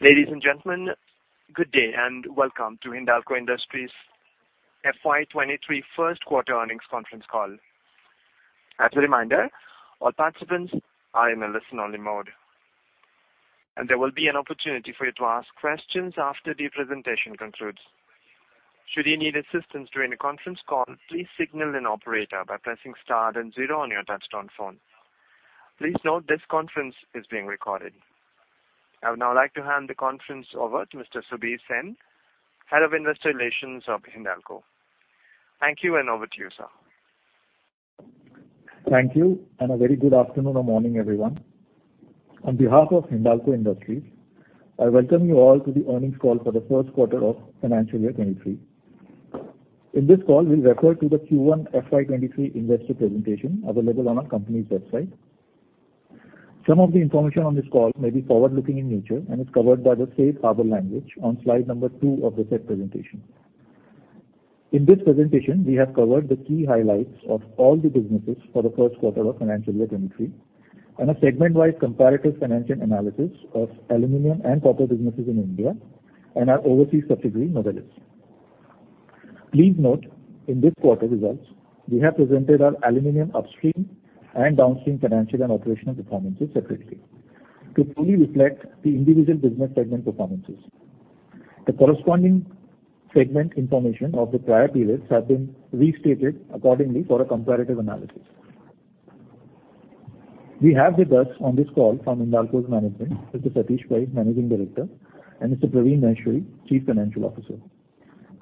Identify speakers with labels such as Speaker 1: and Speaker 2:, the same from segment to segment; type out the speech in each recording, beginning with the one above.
Speaker 1: Ladies and gentlemen, good day and welcome to Hindalco Industries FY 2023 first quarter earnings conference call. As a reminder, all participants are in a listen-only mode, and there will be an opportunity for you to ask questions after the presentation concludes. Should you need assistance during the conference call, please signal an operator by pressing star then zero on your touch-tone phone. Please note this conference is being recorded. I would now like to hand the conference over to Mr. Subir Sen, Head of Investor Relations of Hindalco. Thank you, and over to you, sir.
Speaker 2: Thank you, and a very good afternoon or morning, everyone. On behalf of Hindalco Industries, I welcome you all to the earnings call for the first quarter of financial year 2023. In this call, we'll refer to the Q1 FY 2023 investor presentation available on our company's website. Some of the information on this call may be forward-looking in nature and is covered by the safe harbor language on slide number two of the said presentation. In this presentation, we have covered the key highlights of all the businesses for the first quarter of financial year 2023 and a segment-wise comparative financial analysis of aluminium and Copper businesses in India and our overseas subsidiary, Novelis. Please note in this quarter results, we have presented our Aluminium Upstream and Downstream financial and operational performances separately to fully reflect the individual business segment performances. The corresponding segment information of the prior periods have been restated accordingly for a comparative analysis. We have with us on this call from Hindalco's management, Mr. Satish Pai, Managing Director, and Mr. Praveen Maheshwari, Chief Financial Officer.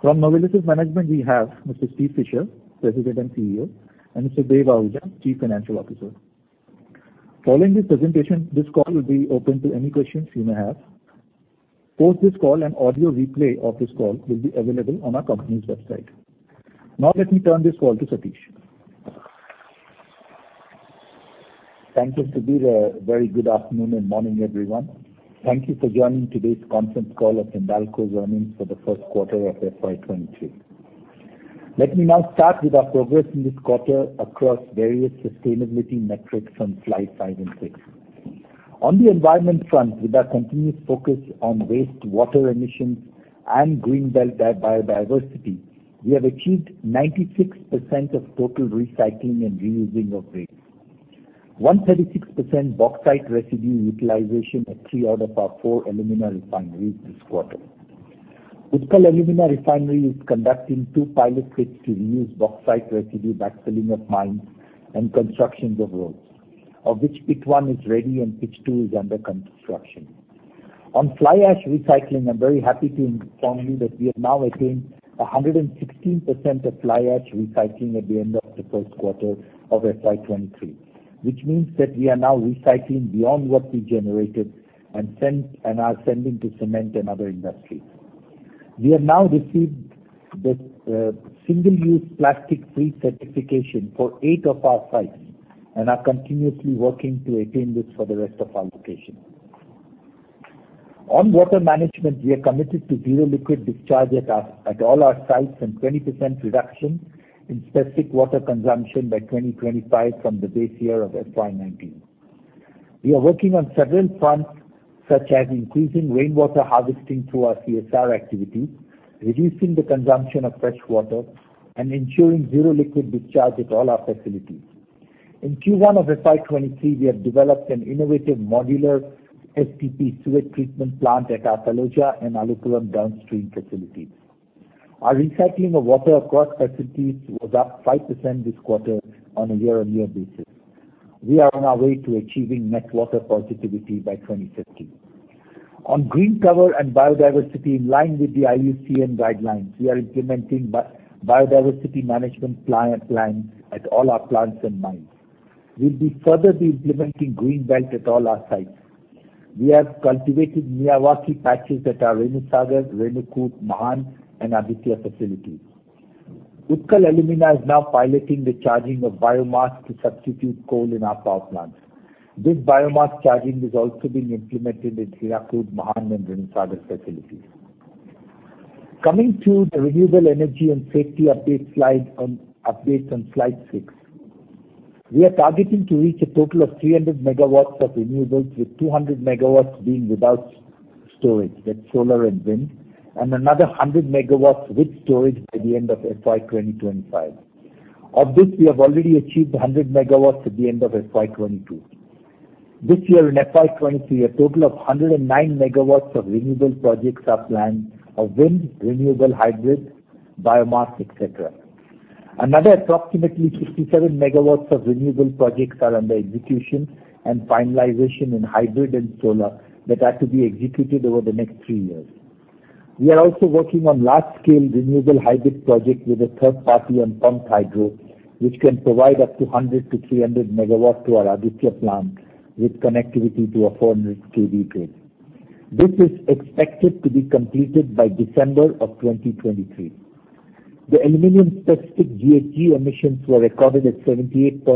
Speaker 2: From Novelis' management we have Mr. Steve Fisher, President and CEO, and Mr. Dev Ahuja, Chief Financial Officer. Following this presentation, this call will be open to any questions you may have. Both this call and audio replay of this call will be available on our company's website. Now let me turn this call to Satish.
Speaker 3: Thank you, Subir. A very good afternoon and morning, everyone. Thank you for joining today's conference call of Hindalco's earnings for the first quarter of FY 2023. Let me now start with our progress in this quarter across various sustainability metrics on slide five and six. On the environment front, with our continuous focus on wastewater emissions and greenbelt biodiversity, we have achieved 96% of total recycling and reusing of waste. 136% bauxite residue utilization at three out of our four alumina refineries this quarter. Utkal Alumina Refinery is conducting two pilot pits to reuse bauxite residue backfilling of mines and construction of roads, of which pit one is ready and pit two is under construction. On fly ash recycling, I'm very happy to inform you that we have now attained 116% of fly ash recycling at the end of the first quarter of FY 2023, which means that we are now recycling beyond what we generated and are sending to cement and other industries. We have now received the single-use plastic-free certification for eight of our sites and are continuously working to attain this for the rest of our locations. On water management, we are committed to zero liquid discharge at all our sites and 20% reduction in specific water consumption by 2025 from the base year of FY 2019. We are working on several fronts, such as increasing rainwater harvesting through our CSR activities, reducing the consumption of fresh water, and ensuring zero liquid discharge at all our facilities. In Q1 of FY 2023, we have developed an innovative modular STP, sewage treatment plant at our Taloja and Alupuram downstream facilities. Our recycling of water across facilities was up 5% this quarter on a year-on-year basis. We are on our way to achieving net water positivity by 2050. On green cover and biodiversity in line with the IUCN guidelines, we are implementing biodiversity management plans at all our plants and mines. We'll be further implementing green belt at all our sites. We have cultivated Miyawaki patches at our Renusagar, Renukoot, Mahan, and Aditya facilities. Utkal Alumina is now piloting the charging of biomass to substitute coal in our power plants. This biomass charging is also being implemented at Hirakud, Mahan, and Renusagar facilities. Coming to the renewable energy and safety update on slide six. We are targeting to reach a total of 300 MW of renewables with 200 MW being without storage, that's solar and wind, and another 100 MW with storage by the end of FY 2025. Of this, we have already achieved 100 MW at the end of FY 2022. This year in FY 2023, a total of 109 MW of renewable projects are planned of wind, renewable hybrids, biomass, etc. Another approximately 57 MW of renewable projects are under execution and finalization in hybrid and solar that are to be executed over the next three years. We are also working on large-scale renewable hybrid project with a third party on pumped hydro, which can provide up to 100 MW-300 MW to our Aditya plant with connectivity to a 400 kV grid. This is expected to be completed by December 2023. The aluminium specific GHG emissions were recorded at 78.4%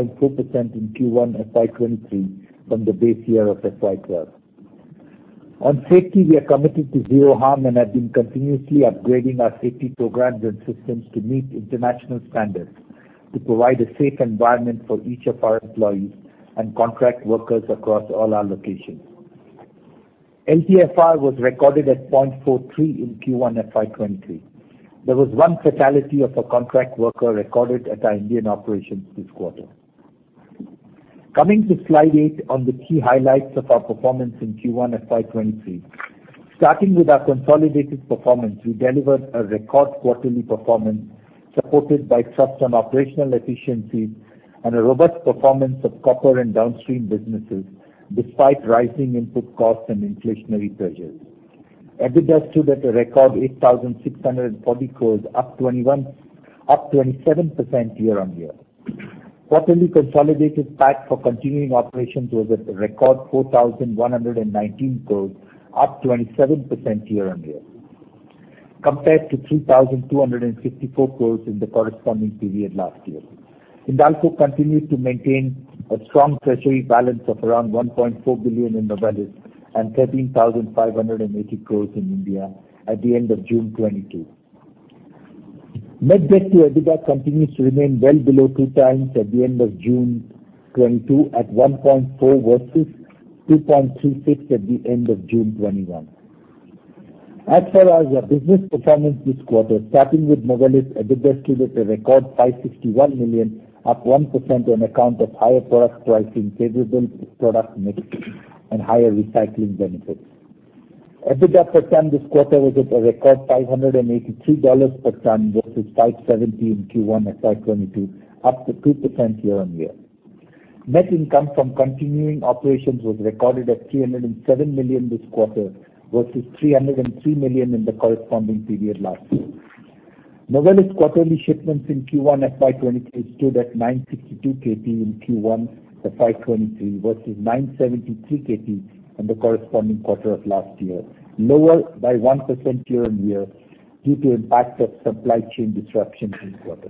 Speaker 3: in Q1 FY 2023 from the base year of FY 2012. On safety, we are committed to zero harm and have been continuously upgrading our safety programs and systems to meet international standards to provide a safe environment for each of our employees and contract workers across all our locations. LTIFR was recorded at 0.43 in Q1 FY 2023. There was one fatality of a contract worker recorded at our Indian operations this quarter. Coming to slide eight on the key highlights of our performance in Q1 FY 2023. Starting with our consolidated performance, we delivered a record quarterly performance supported by thrust on operational efficiencies and a robust performance of copper and Downstream businesses despite rising input costs and inflationary pressures. EBITDA stood at a record 8,640 crore, up 27% year-on-year. Quarterly consolidated PAT for continuing operations was at a record 4,119 crore, up 27% year-on-year, compared to 3,254 crore in the corresponding period last year. Hindalco continued to maintain a strong treasury balance of around $1.4 billion in Novelis and 13,580 crore in India at the end of June 2022. Net debt to EBITDA continues to remain well below 2x at the end of June 2022 at 1.4x versus 2.36x at the end of June 2021. As for our business performance this quarter, starting with Novelis, EBITDA stood at a record $561 million, up 1% on account of higher product pricing, favorable product mix, and higher recycling benefits. EBITDA per ton this quarter was at a record $583 per ton versus $570 in Q1 FY 2022, up 2% year-on-year. Net income from continuing operations was recorded at $307 million this quarter versus $303 million in the corresponding period last year. Novelis quarterly shipments in Q1 FY 2023 stood at 962 kt in Q1 FY 2023 versus 973 kt in the corresponding quarter of last year, lower by 1% year-on-year due to impact of supply chain disruptions this quarter.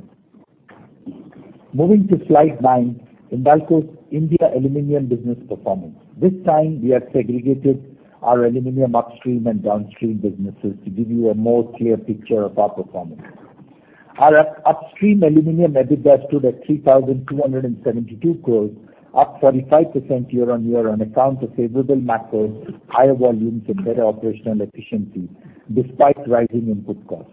Speaker 3: Moving to slide nine, Hindalco's India Aluminium business performance. This time we have segregated our Aluminium Upstream and Downstream businesses to give you a more clear picture of our performance. Our upstream aluminium EBITDA stood at 3,272 crore, up 45% year-on-year on account of favorable macros, higher volumes, and better operational efficiency despite rising input costs.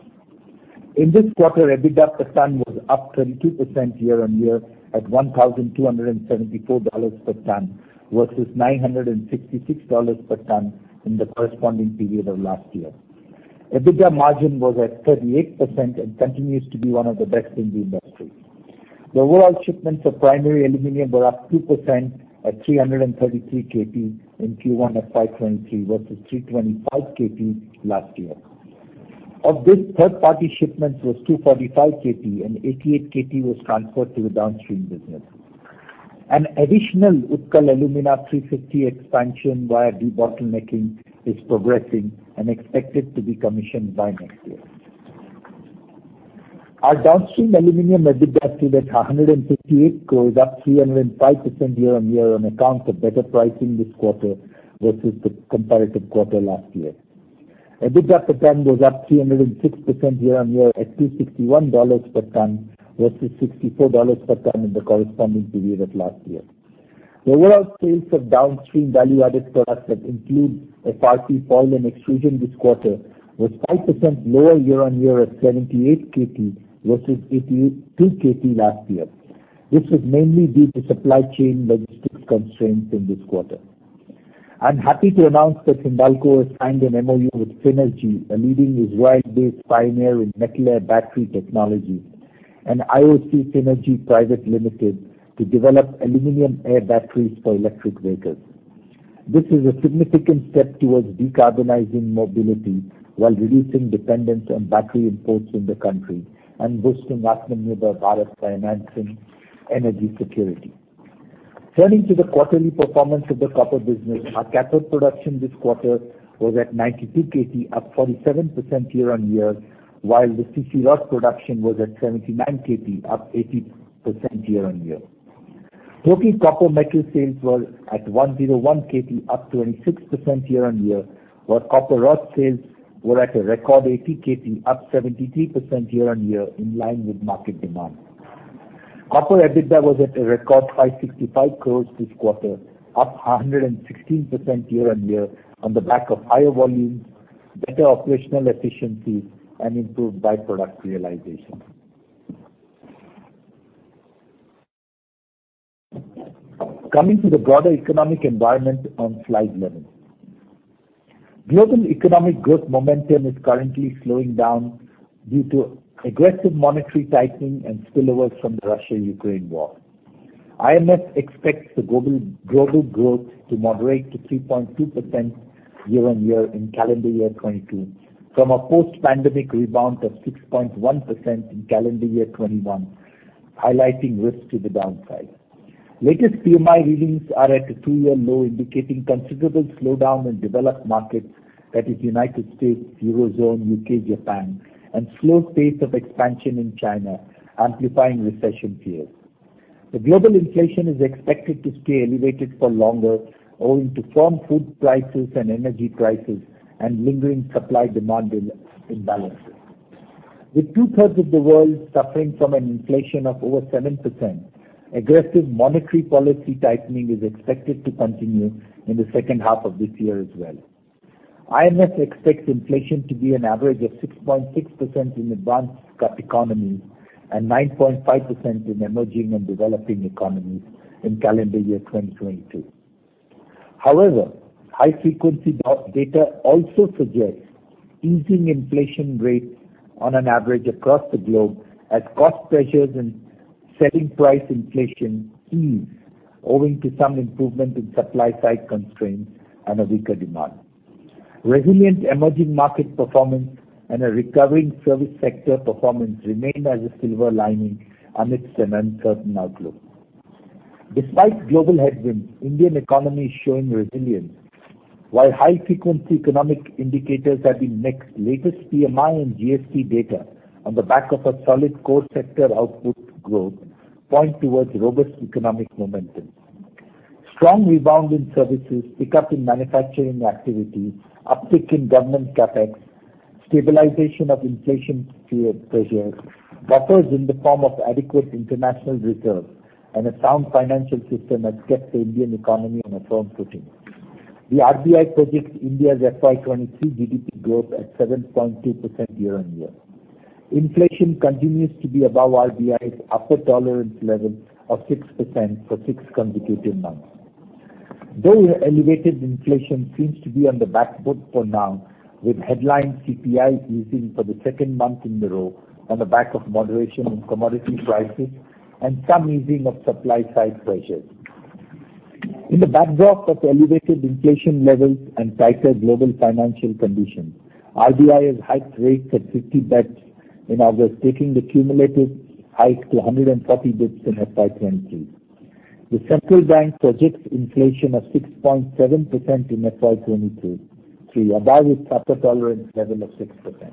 Speaker 3: In this quarter, EBITDA per ton was up 22% year-on-year at $1,274 per ton versus $966 per ton in the corresponding period of last year. EBITDA margin was at 38% and continues to be one of the best in the industry. The overall shipments of primary aluminium were up 2% at 333 kt in Q1 of FY 2023 versus 325 kt last year. Of this, third-party shipments was 245 kt, and 88 kt was transferred to the Downstream business. An additional Utkal Alumina 350 kt expansion via debottlenecking is progressing and expected to be commissioned by next year. Our Downstream aluminium EBITDA stood at 158 crore, up 305% year-on-year on account of better pricing this quarter versus the comparative quarter last year. EBITDA per ton was up 306% year-on-year at $261 per ton versus $64 per ton in the corresponding period of last year. The overall sales of downstream value-added products that include FRP, foil, and extrusion this quarter was 5% lower year-on-year at 78 kt versus 82 kt last year, which was mainly due to supply chain logistics constraints in this quarter. I'm happy to announce that Hindalco has signed an MoU with Phinergy, a leading Israel-based pioneer in metal air battery technology, and IOC Phinergy Private Limited to develop aluminium air batteries for electric vehicles. This is a significant step towards decarbonizing mobility while reducing dependence on battery imports in the country and boosting Atmanirbhar Bharat by enhancing energy security. Turning to the quarterly performance of the Copper business. Our cathode production this quarter was at 92 kt, up 47% year-on-year, while the CC Rod production was at 79 kt, up 80% year-on-year. Total copper metal sales were at 101 kt, up 26% year-on-year, while copper rod sales were at a record 80 kt, up 73% year-on-year, in line with market demand. Copper EBITDA was at a record 565 crore this quarter, up 116% year-on-year on the back of higher volumes, better operational efficiency, and improved by-product realization. Coming to the broader economic environment on slide 11. Global economic growth momentum is currently slowing down due to aggressive monetary tightening and spillovers from the Russia-Ukraine war. IMF expects global growth to moderate to 3.2% year-on-year in calendar year 2022 from a post-pandemic rebound of 6.1% in calendar year 2021, highlighting risk to the downside. Latest PMI readings are at a two-year low, indicating considerable slowdown in developed markets, that is U.S., Eurozone, U.K., Japan, and slow pace of expansion in China, amplifying recession fears. Global inflation is expected to stay elevated for longer, owing to high food prices and energy prices and lingering supply-demand imbalances. With 2/3 of the world suffering from an inflation of over 7%, aggressive monetary policy tightening is expected to continue in the second half of this year as well. IMF expects inflation to be an average of 6.6% in advanced economies and 9.5% in emerging and developing economies in calendar year 2022. However, high frequency data also suggests easing inflation rates on an average across the globe as cost pressures and sticky price inflation ease owing to some improvement in supply side constraints and a weaker demand. Resilient emerging market performance and a recovering service sector performance remain as a silver lining amidst an uncertain outlook. Despite global headwinds, Indian economy is showing resilience, while high frequency economic indicators have been mixed. Latest PMI and GST data on the back of a solid core sector output growth point towards robust economic momentum. Strong rebound in services, pickup in manufacturing activity, uptick in government CapEx, stabilization of inflation pressures, buffers in the form of adequate international reserves, and a sound financial system has kept the Indian economy on a firm footing. The RBI projects India's FY 2023 GDP growth at 7.2% year-on-year. Inflation continues to be above RBI's upper tolerance level of 6% for six consecutive months. Though elevated inflation seems to be on the backfoot for now, with headline CPI easing for the second month in a row on the back of moderation in commodity prices and some easing of supply side pressures. In the backdrop of elevated inflation levels and tighter global financial conditions, RBI has hiked rates at 50 basis points in August, taking the cumulative hike to 140 basis points in FY 2023. The central bank projects inflation of 6.7% in FY 2022, above its upper tolerance level of 6%.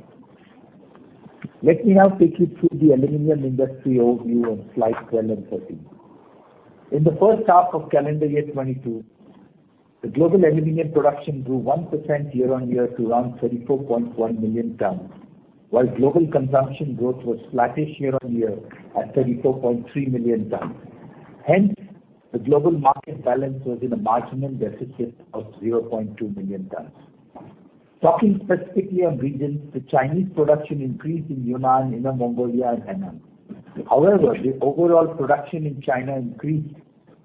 Speaker 3: Let me now take you through the aluminium industry overview on slides 12 and 13. In the first half of calendar year 2022, the global aluminium production grew 1% year-on-year to around 34.1 million tons, while global consumption growth was flattish year-on-year at 34.3 million tons. Hence, the global market balance was in a marginal deficit of 0.2 million tons. Talking specifically on regions, the Chinese production increased in Yunnan, Inner Mongolia and Henan. However, the overall production in China increased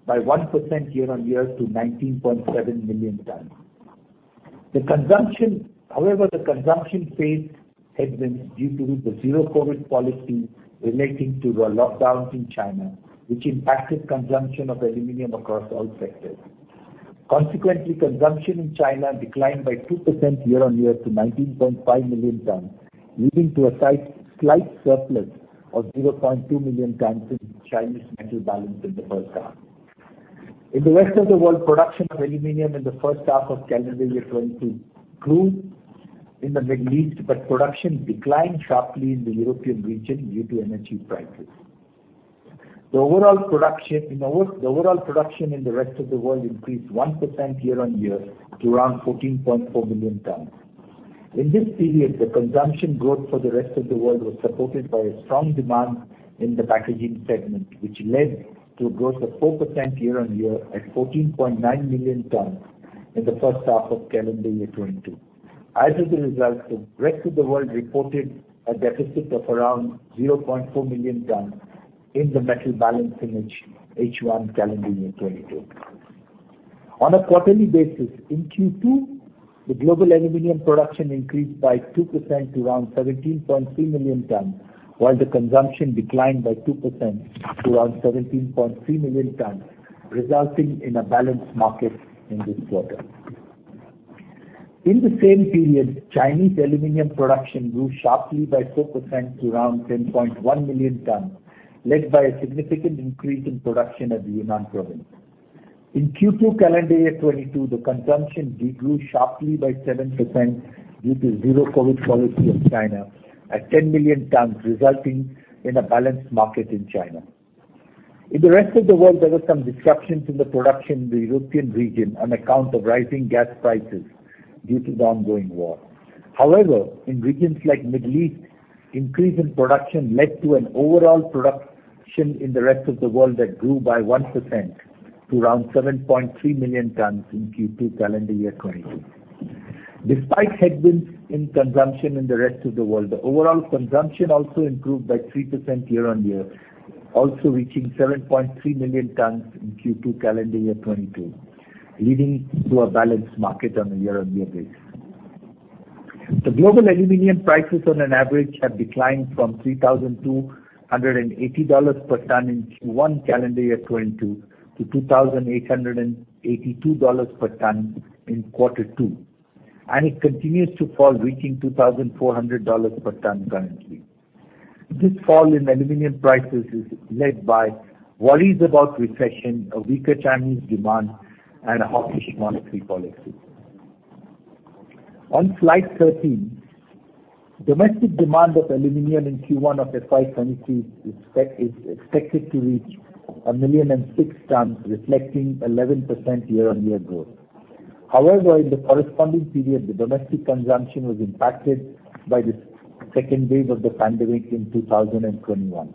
Speaker 3: by 1% year-on-year to 19.7 million tons. The consumption faced headwinds due to the zero-COVID policy relating to the lockdowns in China, which impacted consumption of aluminium across all sectors. Consequently, consumption in China declined by 2% year-on-year to 19.5 million tons, leading to a slight surplus of 0.2 million tons in Chinese metal balance in the first half. In the rest of the world, production of aluminium in the first half of calendar year 2022 grew in the Middle East, but production declined sharply in the European region due to energy prices. The overall production in the rest of the world increased 1% year-on-year to around 14.4 million tons. In this period, the consumption growth for the rest of the world was supported by a strong demand in the packaging segment, which led to a growth of 4% year-on-year at 14.9 million tons in the first half of calendar year 2022. As a result, the rest of the world reported a deficit of around 0.4 million tons in the metal balance in H1 calendar year 2022. On a quarterly basis, in Q2, the global aluminium production increased by 2% to around 17.3 million tons, while the consumption declined by 2% to around 17.3 million tons, resulting in a balanced market in this quarter. In the same period, Chinese aluminium production grew sharply by 4% to around 10.1 million tons, led by a significant increase in production at the Yunnan Province. In Q2 calendar year 2022, the consumption degrew sharply by 7% due to zero-COVID policy of China at 10 million tons, resulting in a balanced market in China. In the rest of the world, there were some disruptions in the production in the European region on account of rising gas prices due to the ongoing war. However, in regions like Middle East, increase in production led to an overall production in the rest of the world that grew by 1% to around 7.3 million tons in Q2 calendar year 2022. Despite headwinds in consumption in the rest of the world, the overall consumption also improved by 3% year-on-year, also reaching 7.3 million tons in Q2 calendar year 2022, leading to a balanced market on a year-on-year basis. The global aluminium prices on an average have declined from $3,280 per ton in Q1 calendar year 2022 to $2,882 per ton in quarter two, and it continues to fall, reaching $2,400 per ton currently. This fall in aluminium prices is led by worries about recession, a weaker Chinese demand and a hawkish monetary policy. On slide 13, domestic demand of aluminium in Q1 of FY 2023 is expected to reach 1,000,006 tons, reflecting 11% year-on-year growth. However, in the corresponding period, the domestic consumption was impacted by the second wave of the pandemic in 2021.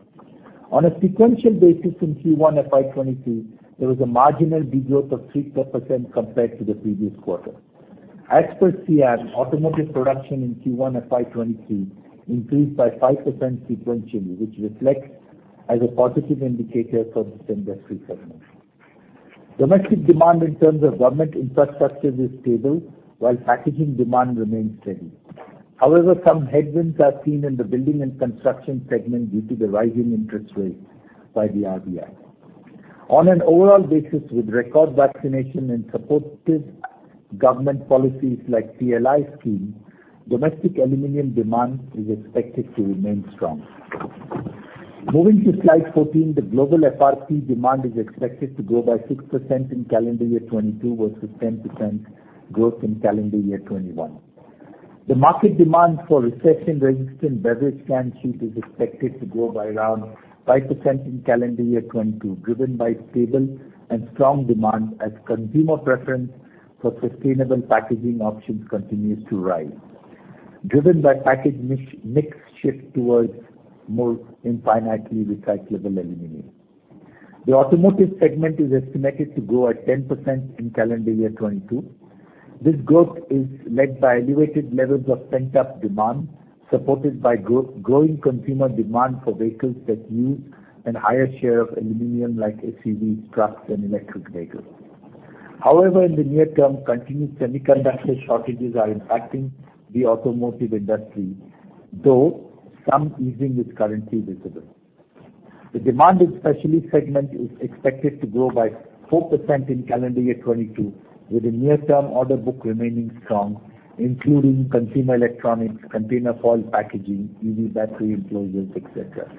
Speaker 3: On a sequential basis in Q1 FY 2023, there was a marginal degrowth of 3% compared to the previous quarter. As per SIAM, automotive production in Q1 FY 2023 increased by 5% sequentially, which reflects as a positive indicator for this industry segment. Domestic demand in terms of government infrastructure is stable, while packaging demand remains steady. However, some headwinds are seen in the building and construction segment due to the rising interest rates by the RBI. On an overall basis, with record vaccination and supportive government policies like PLI scheme, domestic aluminium demand is expected to remain strong. Moving to slide 14, the global FRP demand is expected to grow by 6% in calendar year 2022 versus 10% growth in calendar year 2021. The market demand for recession-resistant beverage can sheet is expected to grow by around 5% in calendar year 2022, driven by stable and strong demand as consumer preference for sustainable packaging options continues to rise, driven by package mix shift towards more infinitely recyclable aluminium. The automotive segment is estimated to grow at 10% in calendar year 2022. This growth is led by elevated levels of pent-up demand, supported by growing consumer demand for vehicles that use a higher share of aluminium like SUVs, trucks and electric vehicles. However, in the near term, continued semiconductor shortages are impacting the automotive industry, though some easing is currently visible. The demand in specialty segment is expected to grow by 4% in calendar year 2022, with the near-term order book remaining strong, including consumer electronics, container foil packaging, EV battery enclosures, et cetera.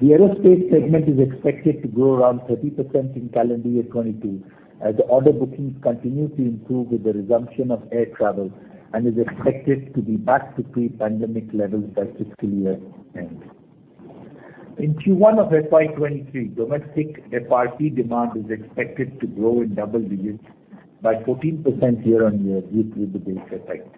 Speaker 3: The aerospace segment is expected to grow around 30% in calendar year 2022, as order bookings continue to improve with the resumption of air travel and is expected to be back to pre-pandemic levels by fiscal year end. In Q1 of FY 2023, domestic FRP demand is expected to grow in double digits by 14% year-on-year due to the base effect.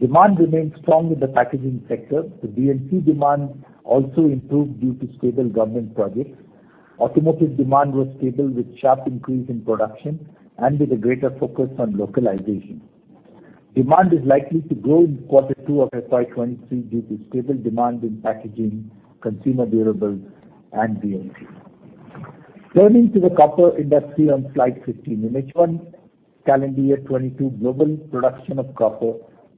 Speaker 3: Demand remains strong in the packaging sector. The B&C demand also improved due to stable government projects. Automotive demand was stable with sharp increase in production and with a greater focus on localization. Demand is likely to grow in quarter two of FY 2023 due to stable demand in packaging, consumer durables and B&C. Turning to the copper industry on slide 15. In H1 calendar year 2022, global production of copper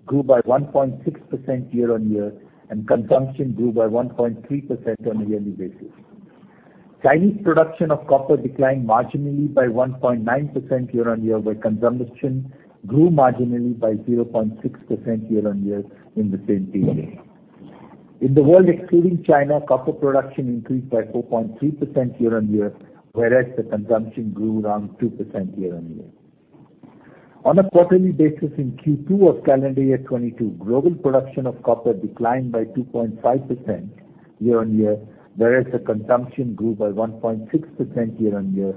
Speaker 3: grew by 1.6% year-on-year, and consumption grew by 1.3% on a yearly basis. Chinese production of copper declined marginally by 1.9% year-on-year, while consumption grew marginally by 0.6% year-on-year in the same period. In the world excluding China, copper production increased by 4.3% year-on-year, whereas the consumption grew around 2% year-on-year. On a quarterly basis in Q2 of calendar year 2022, global production of copper declined by 2.5% year-on-year, whereas the consumption grew by 1.6% year-on-year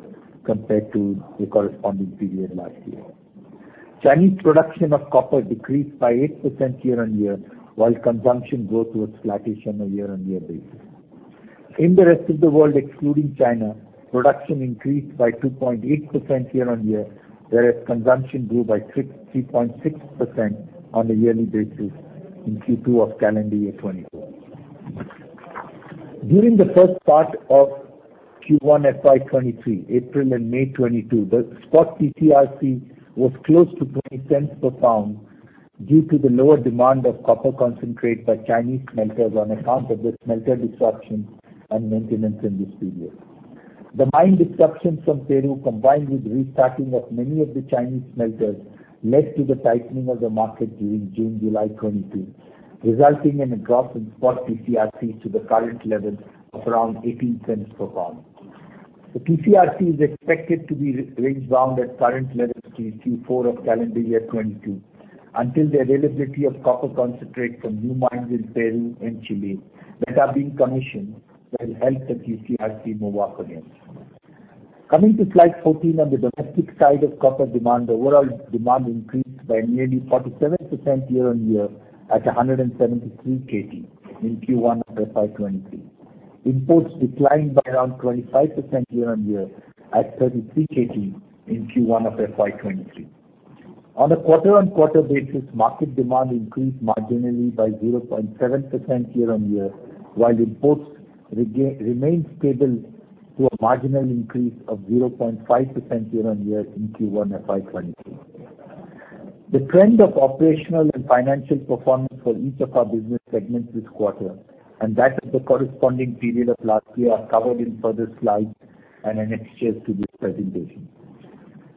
Speaker 3: compared to the corresponding period last year. Chinese production of copper decreased by 8% year-on-year, while consumption growth was flattish on a year-on-year basis. In the rest of the world, excluding China, production increased by 2.8% year-on-year, whereas consumption grew by 3.6% on a yearly basis in Q2 of calendar year 2022. During the first part of Q1 FY 2023, April and May 2022, the spot TC/RC was close to $0.20 per pound due to the lower demand of copper concentrate by Chinese smelters on account of the smelter disruptions and maintenance in this period. The mine disruptions from Peru combined with restarting of many of the Chinese smelters led to the tightening of the market during June-July 2022, resulting in a drop in spot TC/RCs to the current level of around $0.18 per pound. The TC/RC is expected to be range bound at current levels through Q4 of calendar year 2022 until the availability of copper concentrate from new mines in Peru and Chile that are being commissioned will help the TC/RC move up again. Coming to slide 14 on the domestic side of copper demand, overall demand increased by nearly 47% year-on-year at 173 kt in Q1 of FY 2023. Imports declined by around 25% year-on-year at 33 kt in Q1 of FY 2023. On a quarter-on-quarter basis, market demand increased marginally by 0.7% year-on-year, while imports remain stable to a marginal increase of 0.5% year-on-year in Q1 FY 2023. The trend of operational and financial performance for each of our business segments this quarter and that of the corresponding period of last year are covered in further slides and annexures to this presentation.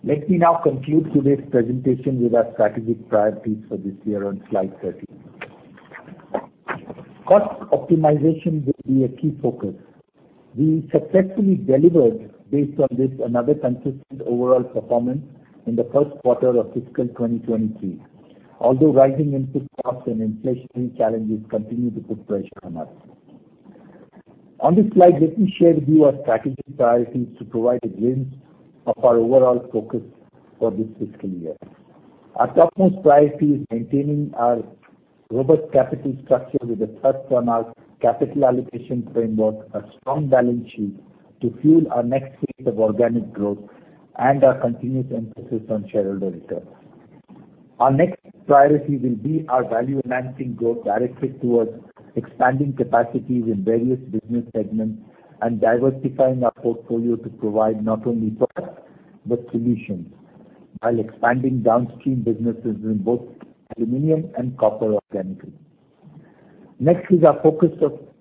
Speaker 3: Let me now conclude today's presentation with our strategic priorities for this year on slide 13. Cost optimization will be a key focus. We successfully delivered based on this, another consistent overall performance in the first quarter of fiscal 2023. Although rising input costs and inflationary challenges continue to put pressure on us. On this slide, let me share with you our strategic priorities to provide a glimpse of our overall focus for this fiscal year. Our topmost priority is maintaining our robust capital structure with a focus on our capital allocation framework, a strong balance sheet to fuel our next phase of organic growth and our continuous emphasis on shareholder returns. Our next priority will be our value enhancing growth directed towards expanding capacities in various business segments and diversifying our portfolio to provide not only products but solutions, while expanding Downstream businesses in both aluminium and copper organically. Next is our focus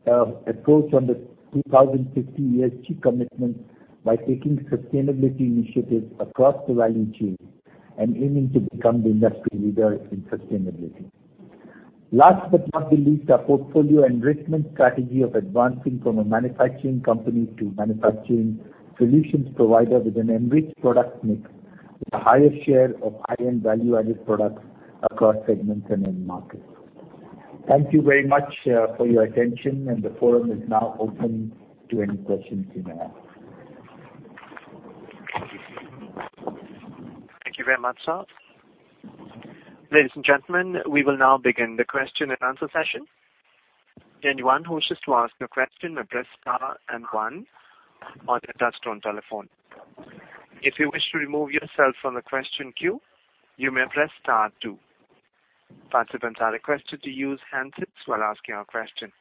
Speaker 3: of approach on the 2050 ESG commitment by taking sustainability initiatives across the value chain and aiming to become the industry leader in sustainability. Last but not the least, our portfolio enrichment strategy of advancing from a manufacturing company to manufacturing solutions provider with an enriched product mix, with a higher share of high-end value-added products across segments and end markets. Thank you very much for your attention, and the forum is now open to any questions you may have.
Speaker 1: Thank you very much, sir. Ladies and gentlemen, we will now begin the question and answer session. Anyone who wishes to ask a question, press star and one on your touch-tone telephone. If you wish to remove yourself from the question queue, you may press star two. Participants are requested to use handsets while asking a question.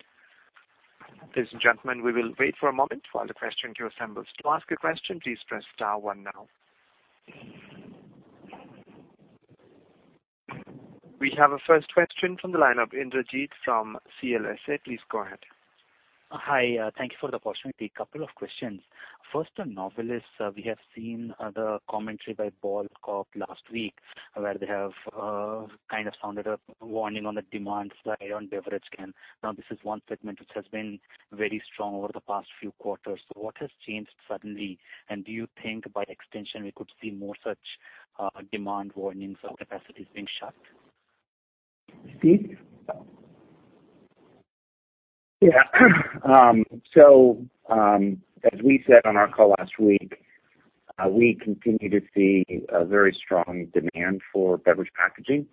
Speaker 1: Ladies and gentlemen, we will wait for a moment while the question queue assembles. To ask a question, please press star one now. We have a first question from the line of Indrajit from CLSA. Please go ahead.
Speaker 4: Hi, thank you for the opportunity. A couple of questions. First on Novelis, we have seen other commentary by Ball Corp last week, where they have, kind of sounded a warning on the demand slide on beverage can. Now, this is one segment which has been very strong over the past few quarters. What has changed suddenly? And do you think by extension we could see more such, demand warnings of capacities being shut?
Speaker 3: Steve?
Speaker 5: Yeah. As we said on our call last week, we continue to see a very strong demand for beverage packaging.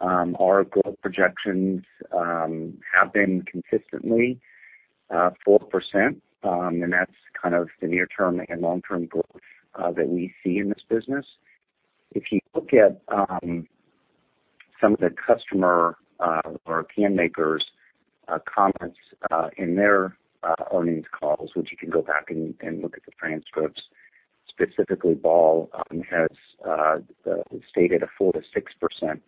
Speaker 5: Our growth projections have been consistently 4%. That's kind of the near-term and long-term growth that we see in this business. If you look at some of the customer or can makers comments in their earnings calls, which you can go back and look at the transcripts. Specifically Ball has stated a 4%-6%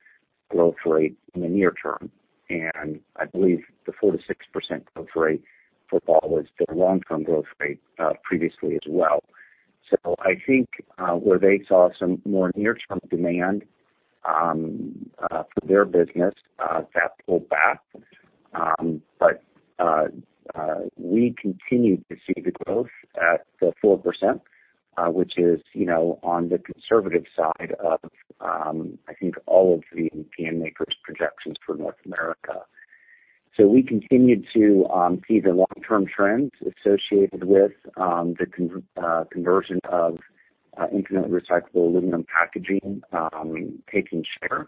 Speaker 5: growth rate in the near term. I believe the 4%-6% growth rate for Ball was their long-term growth rate previously as well. I think where they saw some more near-term demand for their business that pulled back. We continue to see the growth at the 4%, which is, you know, on the conservative side of, I think all of the can makers projections for North America. We continue to see the long-term trends associated with the conversion of infinitely recyclable aluminum packaging taking share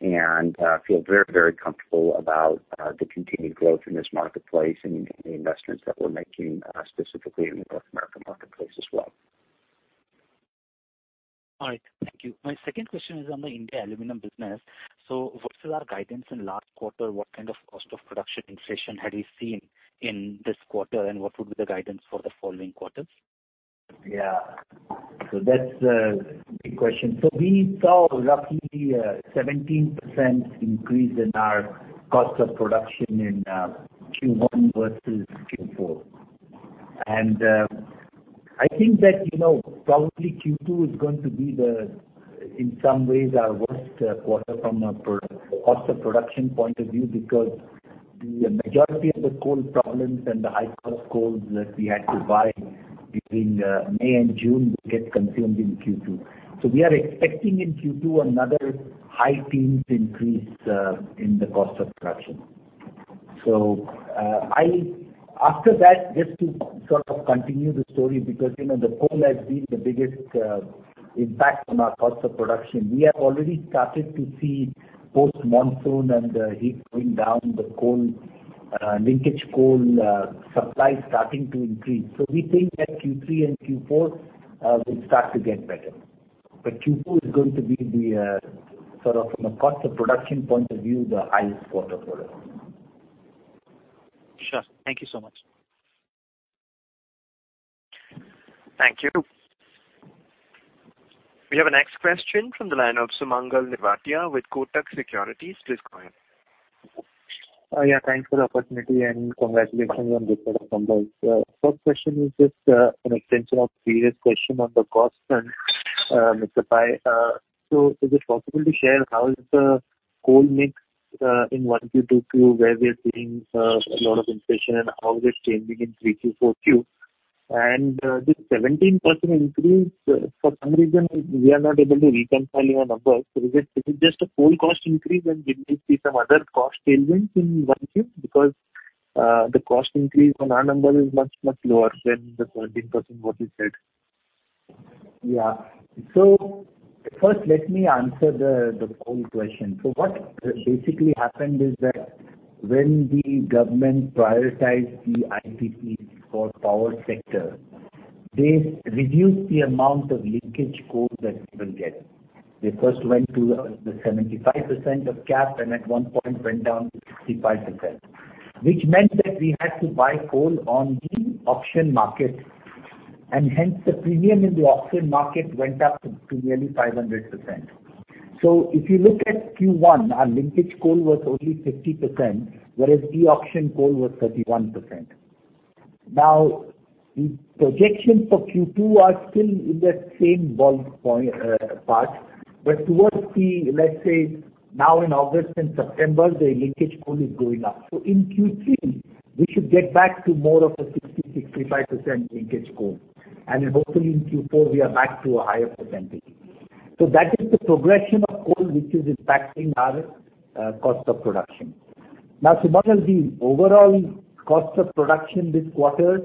Speaker 5: and feel very, very comfortable about the continued growth in this marketplace and the investments that we're making specifically in the North American marketplace as well.
Speaker 4: All right. Thank you. My second question is on the India Aluminum business. Versus our guidance in last quarter, what kind of cost of production inflation have you seen in this quarter, and what would be the guidance for the following quarters?
Speaker 3: Yeah. That's a good question. We saw roughly a 17% increase in our cost of production in Q1 versus Q4. I think that, you know, probably Q2 is going to be, in some ways, our worst quarter from a cost of production point of view because the majority of the coal problems and the high cost coal that we had to buy during May and June will get consumed in Q2. We are expecting in Q2 another high-teens increase in the cost of production. After that, just to sort of continue the story because, you know, the coal has been the biggest impact on our cost of production. We have already started to see post-monsoon and the heat going down the coal, linkage coal supply starting to increase. We think that Q3 and Q4 will start to get better. Q2 is going to be the sort of from a cost of production point of view, the highest quarter for us.
Speaker 4: Sure. Thank you so much.
Speaker 1: Thank you. We have a next question from the line of Sumangal Nevatia with Kotak Securities. Please go ahead.
Speaker 6: Yeah, thanks for the opportunity and congratulations on the set of numbers. First question is just an extension of previous question on the cost. Mr. Pai, is it possible to share how is the coal mix in 1Q-2Q, where we are seeing a lot of inflation and how is it changing in 3Q-4Q? This 17% increase, for some reason we are not able to reconcile your numbers. Is it just a coal cost increase, and did we see some other cost tailwinds in 1Q? Because the cost increase on our number is much, much lower than the 17% what you said.
Speaker 3: Yeah. First, let me answer the coal question. What basically happened is that when the government prioritized the IPPs for power sector, they reduced the amount of linkage coal that we will get. They first went to the 75% cap, and at one point went down to 65%, which meant that we had to buy coal on the auction market. Hence the premium in the auction market went up to nearly 500%. If you look at Q1, our linkage coal was only 50%, whereas the auction coal was 31%. Now, the projections for Q2 are still in that same ballpark. Towards, let's say now in August and September, the linkage coal is going up. In Q3 we should get back to more of a 60%-65% linkage coal. Hopefully in Q4 we are back to a higher percentage. That is the progression of coal which is impacting our cost of production. Now, Sumangal, the overall cost of production this quarter,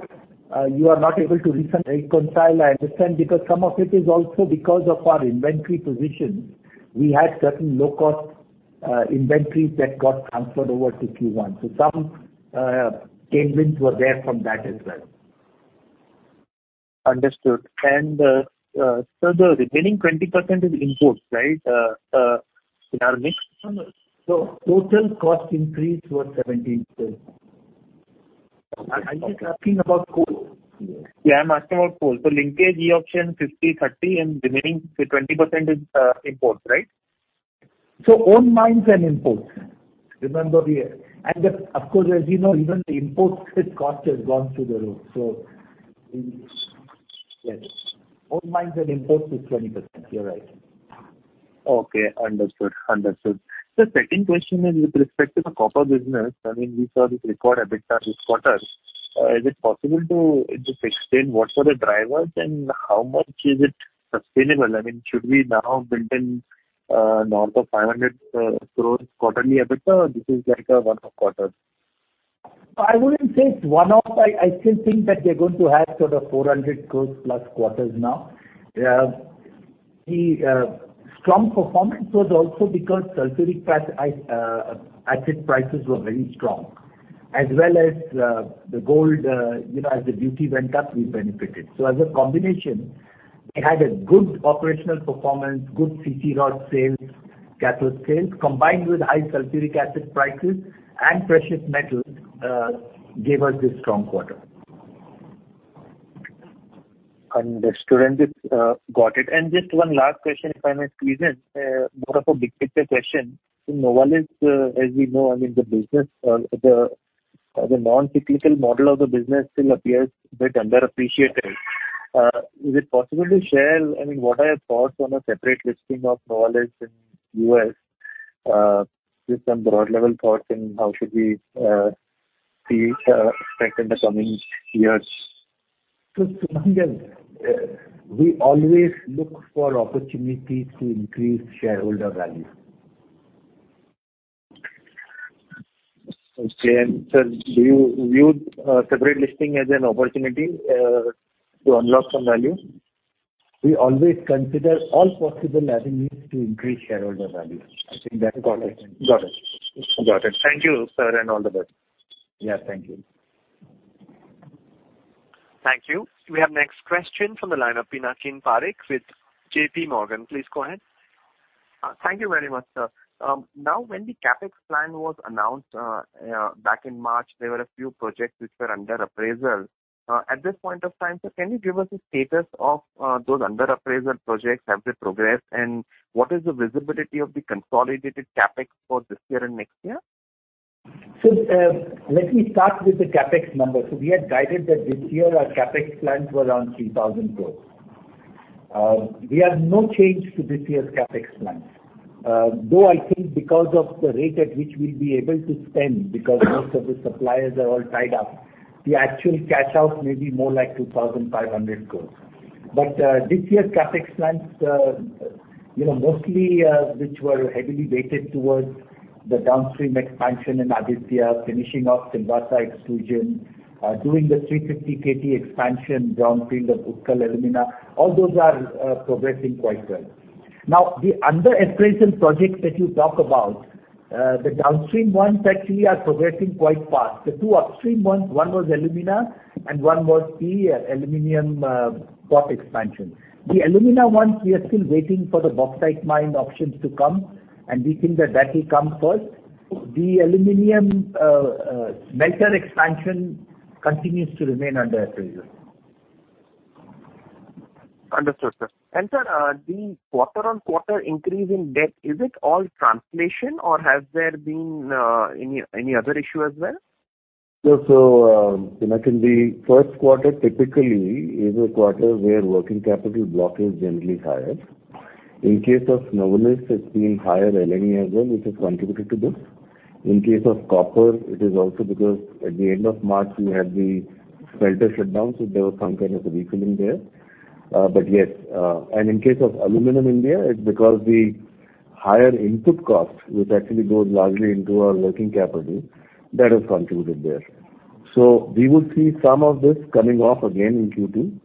Speaker 3: you are not able to reconcile, I understand, because some of it is also because of our inventory positions. We had certain low cost inventories that got transferred over to Q1, so some tailwinds were there from that as well.
Speaker 6: Understood. The remaining 20% is imports, right? In our mix.
Speaker 3: No, no. Total cost increase was 17%. Are you talking about coal?
Speaker 6: Yeah, I'm asking about coal. Linkage e-auction, 50%-30%. Remaining say 20% is imports, right?
Speaker 3: Own mines and imports. Remember that. Of course, as you know, even the imports cost has gone through the roof. Yes. Own mines and imports is 20%. You're right.
Speaker 6: Okay, understood. Sir, second question is with respect to the Copper business. I mean, we saw this record EBITDA this quarter. Is it possible to just explain what are the drivers and how much is it sustainable? I mean, should we now build in north of 500 crore quarterly EBITDA or is this like a one-off quarter?
Speaker 3: I wouldn't say it's one-off. I still think that we're going to have sort of 400+ crore quarters now. The strong performance was also because sulfuric acid prices were very strong, as well as the gold, you know, as the duty went up, we benefited. As a combination, it had a good operational performance, good CC Rod sales, catalyst sales, combined with high sulfuric acid prices and precious metals, gave us this strong quarter.
Speaker 6: Understood. Just got it. Just one last question, if I may squeeze in, more of a big picture question. Novelis, as we know, I mean the business, the non-cyclical model of the business still appears a bit underappreciated. Is it possible to share, I mean, what are your thoughts on a separate listing of Novelis in U.S.? Just some broad level thoughts and how should we see strength in the coming years?
Speaker 3: Sumangal, we always look for opportunities to increase shareholder value.
Speaker 6: Okay. Sir, do you view separate listing as an opportunity to unlock some value?
Speaker 3: We always consider all possible avenues to increase shareholder value. I think that's all I can say.
Speaker 6: Got it. Thank you, sir, and all the best.
Speaker 3: Yeah. Thank you.
Speaker 1: Thank you. We have next question from the line of Pinakin Parekh with JPMorgan. Please go ahead.
Speaker 7: Thank you very much, sir. Now, when the CapEx plan was announced back in March, there were a few projects which were under appraisal. At this point of time, sir, can you give us the status of those under appraisal projects? Have they progressed? What is the visibility of the consolidated CapEx for this year and next year?
Speaker 3: Let me start with the CapEx number. We had guided that this year our CapEx plans were around 3,000 crore. We have no change to this year's CapEx plans. Though I think because of the rate at which we'll be able to spend, because most of the suppliers are all tied up, the actual cash out may be more like 2,500 crore. This year's CapEx plans, you know, mostly, which were heavily weighted towards the downstream expansion in Aditya, finishing off Silvassa extrusion, doing the 350 kt expansion brownfield of Utkal Alumina, all those are progressing quite well. Now, the under appraisal projects that you talk about, the downstream ones actually are progressing quite fast. The two upstream ones, one was alumina and one was the aluminium pot expansion. The Alumina ones, we are still waiting for the bauxite mine options to come, and we think that will come first. The aluminium metal expansion continues to remain under appraisal.
Speaker 7: Understood, sir. Sir, the quarter-on-quarter increase in debt, is it all translation or has there been any other issue as well?
Speaker 8: Pinakin, the first quarter typically is a quarter where working capital block is generally higher. In case of Novelis, it's been higher LME as well, which has contributed to this. In case of copper, it is also because at the end of March we had the smelter shutdown, so there was some kind of a refilling there. Yes. In case of aluminium India, it's because the higher input cost, which actually goes largely into our working capital, that has contributed there. We would see some of this coming off again in Q2,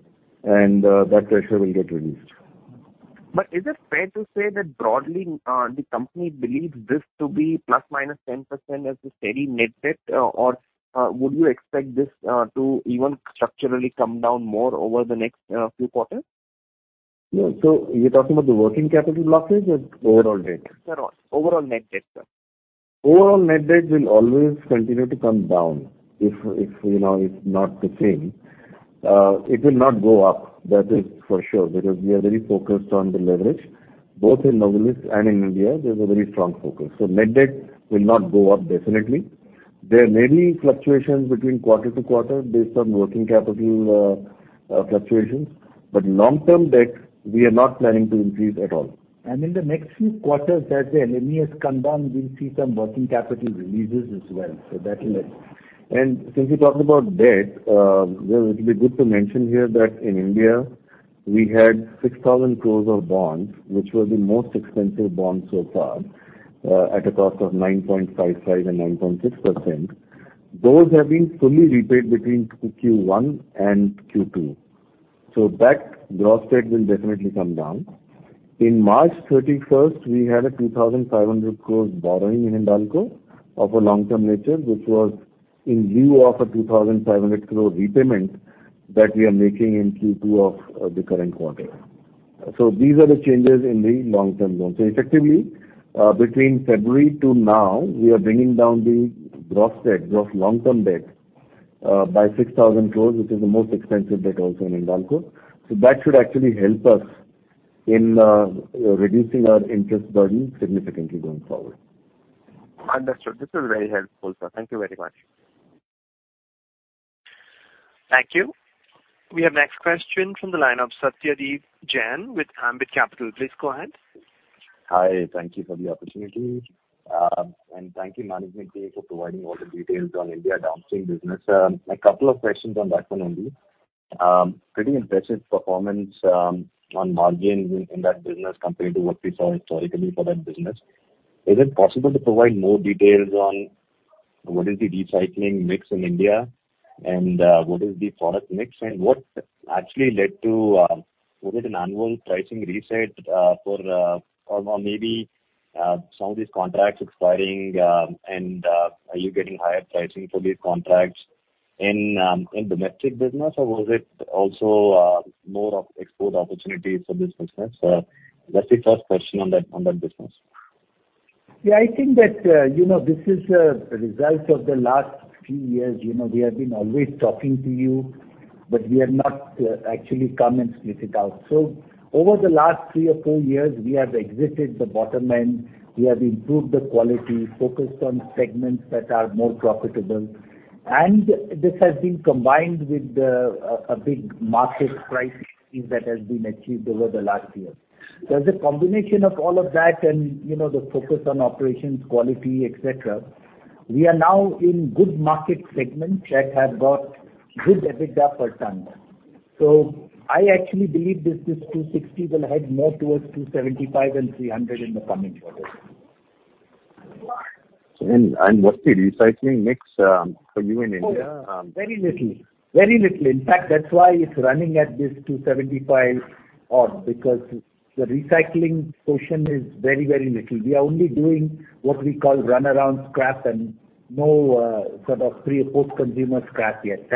Speaker 8: and that pressure will get released.
Speaker 7: Is it fair to say that broadly, the company believes this to be ±10% as the steady-state net debt, or would you expect this to even structurally come down more over the next few quarters?
Speaker 8: Yeah. You're talking about the working capital blockage or overall debt?
Speaker 7: Overall net debt, sir.
Speaker 8: Overall net debt will always continue to come down. If you know it's not the same, it will not go up. That is for sure, because we are very focused on the leverage both in Novelis and in India. There's a very strong focus. Net debt will not go up definitely. There may be fluctuations between quarter-to-quarter based on working capital fluctuations. Long-term debt we are not planning to increase at all.
Speaker 3: In the next few quarters, as the LME has come down, we'll see some working capital releases as well. That will help.
Speaker 8: Since you talked about debt, well it'll be good to mention here that in India we had 6,000 crore of bonds, which were the most expensive bonds so far, at a cost of 9.55% and 9.6%. Those have been fully repaid between Q1 and Q2, that gross debt will definitely come down. In March 31st, we had a 2,500 crore borrowing in Hindalco of a long-term nature, which was in lieu of a 2,500 crore repayment that we are making in Q2 of the current quarter. These are the changes in the long-term loans. Effectively, between February to now, we are bringing down the gross debt, gross long-term debt, by 6,000 crore, which is the most expensive debt also in Hindalco. That should actually help us in reducing our interest burden significantly going forward.
Speaker 7: Understood. This is very helpful, sir. Thank you very much.
Speaker 1: Thank you. We have next question from the line of Satyadeep Jain with Ambit Capital. Please go ahead.
Speaker 9: Hi. Thank you for the opportunity. Thank you management team for providing all the details on India Downstream business. A couple of questions on that one only. Pretty impressive performance on margins in that business compared to what we saw historically for that business. Is it possible to provide more details on what is the recycling mix in India and what is the product mix and what actually led to, was it an annual pricing reset, or maybe some of these contracts expiring, and are you getting higher pricing for these contracts in domestic business, or was it also more of export opportunities for this business? That's the first question on that business.
Speaker 3: Yeah, I think that, you know, this is a result of the last few years. You know, we have been always talking to you, but we have not actually come and split it out. Over the last three or four years we have exited the bottom end. We have improved the quality, focused on segments that are more profitable. This has been combined with a big market price increase that has been achieved over the last year. As a combination of all of that and, you know, the focus on operations, quality, et cetera, we are now in good market segments that have got good EBITDA per ton. I actually believe this is $260 will head more towards $275 and $300 in the coming quarters.
Speaker 9: What's the recycling mix for you in India?
Speaker 3: Oh, very little. In fact, that's why it's running at this $275, because the recycling portion is very, very little. We are only doing what we call run around scrap and no sort of pre- and post-consumer scrap yet.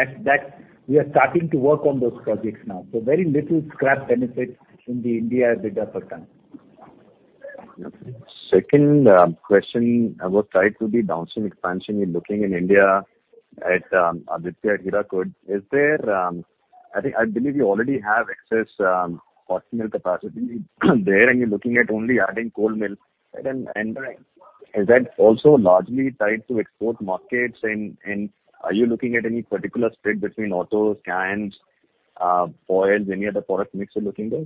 Speaker 3: We are starting to work on those projects now. Very little scrap benefits in the India EBITDA per ton.
Speaker 9: Okay. Second question. I was tied to the downstream expansion you're looking in India at Hirakud. Is there. I think, I believe you already have excess hot mill capacity there, and you're looking at only adding cold mill. Is that also largely tied to export markets? Are you looking at any particular split between autos, cans, foils, any other product mix you're looking there?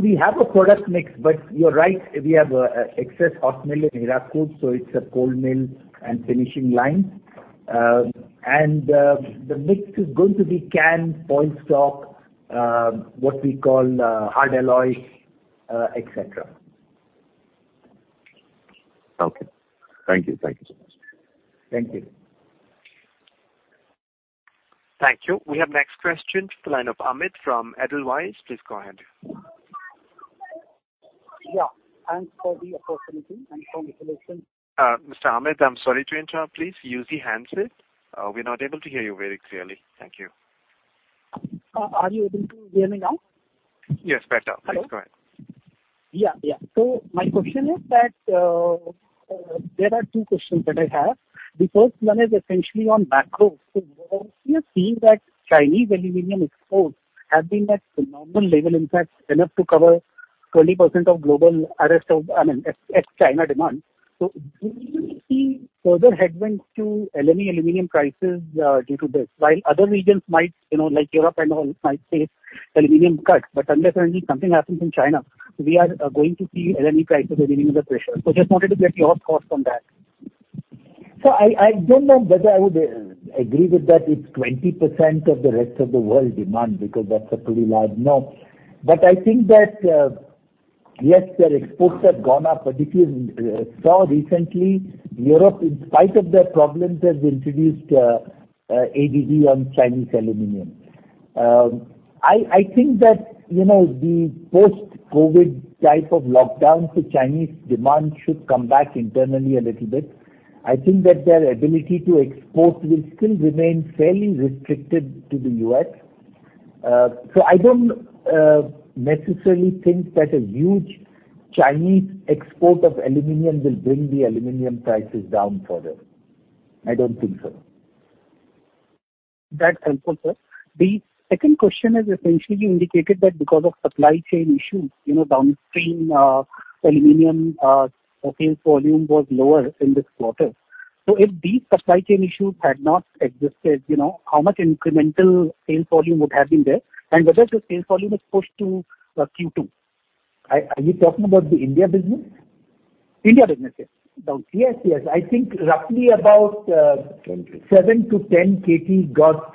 Speaker 3: We have a product mix. You are right, we have excess hot mill in Hirakud, so it's a cold mill and finishing line. The mix is going to be can, foil stock, what we call hard alloy, et cetera.
Speaker 9: Okay. Thank you. Thank you so much.
Speaker 3: Thank you.
Speaker 1: Thank you. We have next question from the line of Amit from Edelweiss. Please go ahead.
Speaker 10: Yeah. Thanks for the opportunity and congratulations.
Speaker 1: Mr. Amit, I'm sorry to interrupt. Please use the handset. We're not able to hear you very clearly. Thank you.
Speaker 10: Are you able to hear me now?
Speaker 1: Yes, better. Please go ahead.
Speaker 10: My question is that there are two questions that I have. The first one is essentially on macro. We are seeing that Chinese aluminium exports have been at phenomenal level, in fact enough to cover 20% of global ex-China demand. Do you see further headwinds to LME aluminium prices, due to this? While other regions might, you know, like Europe and all might face aluminium cuts. But unless certainly something happens in China, we are going to see LME prices are getting under pressure. Just wanted to get your thoughts on that.
Speaker 3: I don't know whether I would agree with that it's 20% of the rest of the world demand, because that's a pretty large number. I think that, yes, their exports have gone up. If you saw recently, Europe, in spite of their problems, has introduced ADD on Chinese aluminium. I think that, you know, the post-COVID type of lockdown to Chinese demand should come back internally a little bit. I think that their ability to export will still remain fairly restricted to the U.S. I don't necessarily think that a huge Chinese export of aluminium will bring the aluminium prices down further. I don't think so.
Speaker 10: That's helpful, sir. The second question is essentially you indicated that because of supply chain issues, you know, downstream aluminium sales volume was lower in this quarter. If these supply chain issues had not existed, you know, how much incremental sales volume would have been there? Whether the sales volume is pushed to Q2.
Speaker 3: Are you talking about the India business?
Speaker 10: India business, yes.
Speaker 3: Yes. Yes. I think roughly about-
Speaker 8: 10 kt....
Speaker 3: 7 kt-10 kt got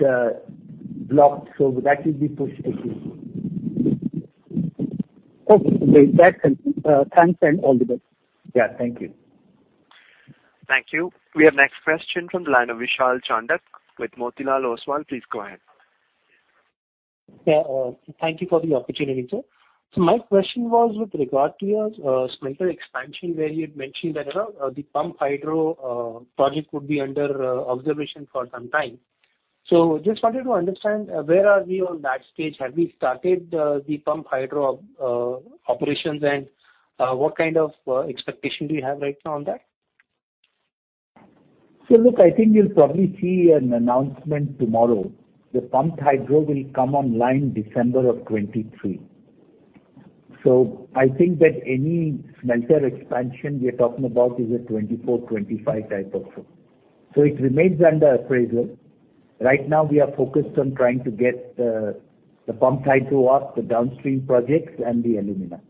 Speaker 3: blocked. That will be pushed to Q2.
Speaker 10: Okay. That's helpful. Thanks, and all the best.
Speaker 3: Yeah, thank you.
Speaker 1: Thank you. We have next question from the line of Vishal Chandak with Motilal Oswal. Please go ahead.
Speaker 11: Yeah. Thank you for the opportunity, sir. My question was with regard to your smelter expansion, where you had mentioned that the pumped hydro project would be under observation for some time. Just wanted to understand where are we on that stage? Have we started the pumped hydro operations? And what kind of expectation do you have right now on that?
Speaker 3: Look, I think you'll probably see an announcement tomorrow. The pumped hydro will come online December of 2023. I think that any smelter expansion we are talking about is a 2024-2025 type of thing. It remains under appraisal. Right now we are focused on trying to get the pumped hydro off, the downstream projects, and the Alumina.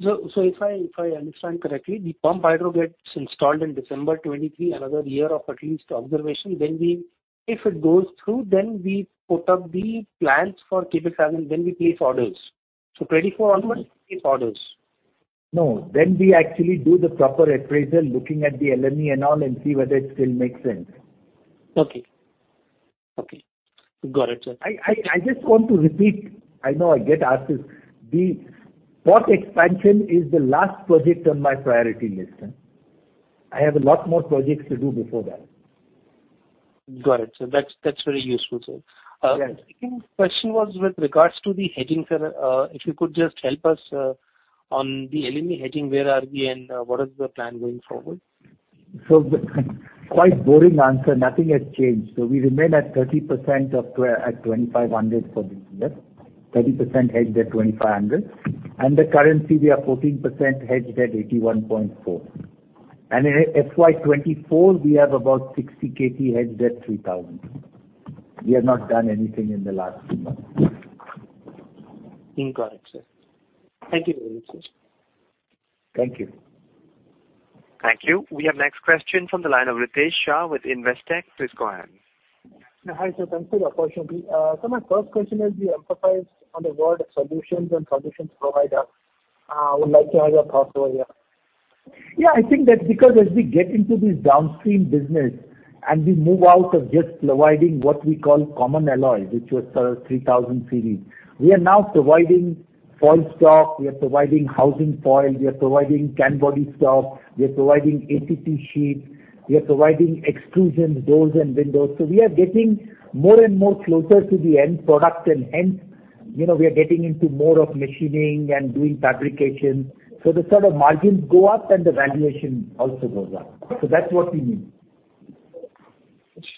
Speaker 11: If I understand correctly, the pumped hydro gets installed in December 2023, another year of at least observation. If it goes through, then we put up the plans for CapEx and then we place orders. 2024 onwards, we place orders.
Speaker 3: No. We actually do the proper appraisal, looking at the LME and all, and see whether it still makes sense.
Speaker 11: Okay. Okay. Got it, sir.
Speaker 3: I just want to repeat, I know I get asked this, the pot expansion is the last project on my priority list. I have a lot more projects to do before that.
Speaker 11: Got it, sir. That's very useful, sir.
Speaker 3: Yes.
Speaker 11: Second question was with regards to the hedging, sir. If you could just help us on the LME hedging, where are we and what is the plan going forward?
Speaker 3: Quite boring answer. Nothing has changed. We remain at 30% of $2,500 for this year, 30% hedged at $2,500. The currency we are 14% hedged at 81.4 per dollar. In FY 2024, we have about 60 kt hedged at $3,000. We have not done anything in the last few months.
Speaker 11: Got it, sir. Thank you very much, sir.
Speaker 3: Thank you.
Speaker 1: Thank you. We have next question from the line of Ritesh Shah with Investec. Please go ahead.
Speaker 12: Hi, sir. Thanks for the opportunity. My first question is you emphasized on the word solutions and solutions provider. Would like to have your thoughts over here.
Speaker 3: Yeah, I think that because as we get into this Downstream business and we move out of just providing what we call common alloy, which was 3,000 series, we are now providing foil stock, we are providing household foil, we are providing can body stock, we are providing ACP sheets, we are providing extrusions, doors and windows. We are getting more and more closer to the end product and hence, you know, we are getting into more of machining and doing fabrication. The sort of margins go up and the valuation also goes up. That's what we mean.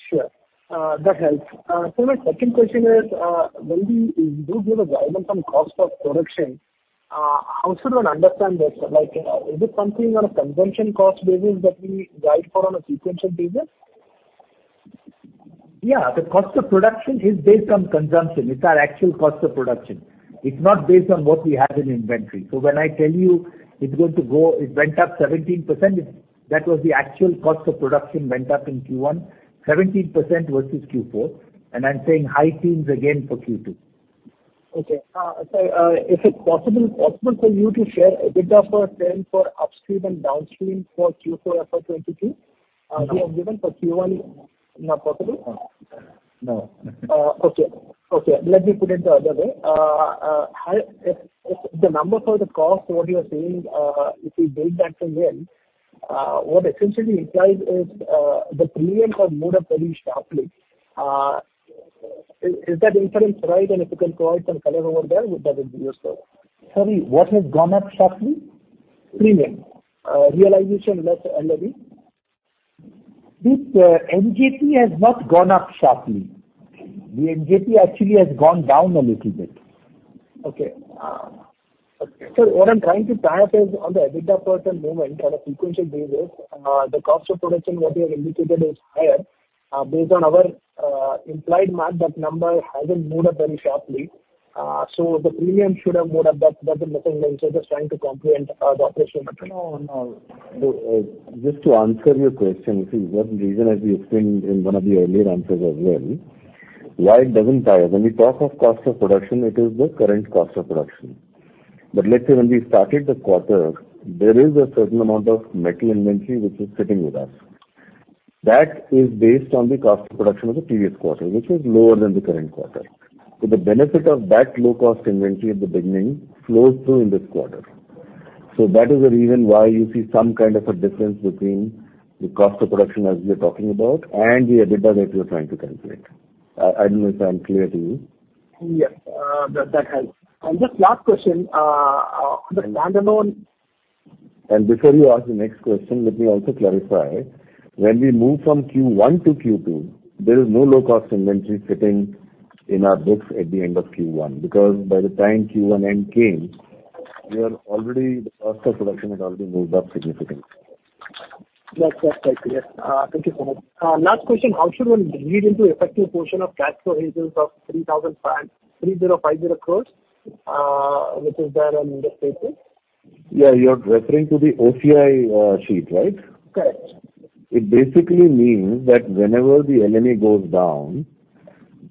Speaker 12: Sure. That helps. My second question is, when you do give a guidance on cost of production. How should one understand that? Like, is it something on a consumption cost basis that we guide for on a sequential basis?
Speaker 3: Yeah. The cost of production is based on consumption. It's our actual cost of production. It's not based on what we have in inventory. When I tell you it went up 17%, that was the actual cost of production went up in Q1, 17% versus Q4, and I'm saying high teens again for Q2.
Speaker 12: Is it possible for you to share EBITDA for upstream and downstream for Q4 FY 2023?
Speaker 3: No.
Speaker 12: You have given for Q1. Not possible?
Speaker 3: No.
Speaker 12: Okay. Let me put it the other way. If the number for the cost, what you are saying, if we build that from here, what essentially implies is, the premium has moved up very sharply. Is that inference right? If you can throw some color over there, that would be useful.
Speaker 3: Sorry, what has gone up sharply?
Speaker 12: Premium. Realization less LME.
Speaker 3: This MJP has not gone up sharply. The MJP actually has gone down a little bit.
Speaker 12: Okay. What I'm trying to tie up is on the EBITDA per ton movement on a sequential basis, the cost of production what you have indicated is higher. Based on our implied math, that number hasn't moved up very sharply. The premium should have moved up. That is looking like. Just trying to comprehend the operational picture.
Speaker 8: No, no. Just to answer your question. See one reason as we explained in one of the earlier answers as well, why it doesn't tie up. When we talk of cost of production, it is the current cost of production. Let's say when we started the quarter, there is a certain amount of metal inventory which is sitting with us. That is based on the cost of production of the previous quarter, which is lower than the current quarter. The benefit of that low-cost inventory at the beginning flows through in this quarter. That is the reason why you see some kind of a difference between the cost of production as we are talking about and the EBITDA that you're trying to calculate. I don't know if I'm clear to you.
Speaker 12: Yes. That helps. Just last question on the standalone.
Speaker 8: Before you ask the next question, let me also clarify. When we move from Q1 to Q2, there is no low-cost inventory sitting in our books at the end of Q1, because by the time Q1 end came, the cost of production had already moved up significantly.
Speaker 12: That's quite clear. Thank you so much. Last question, how should one read into effective portion of cash flow hedges of 3,050 crore, which is there on this paper?
Speaker 8: Yeah. You're referring to the OCI sheet, right?
Speaker 12: Correct.
Speaker 8: It basically means that whenever the LME goes down,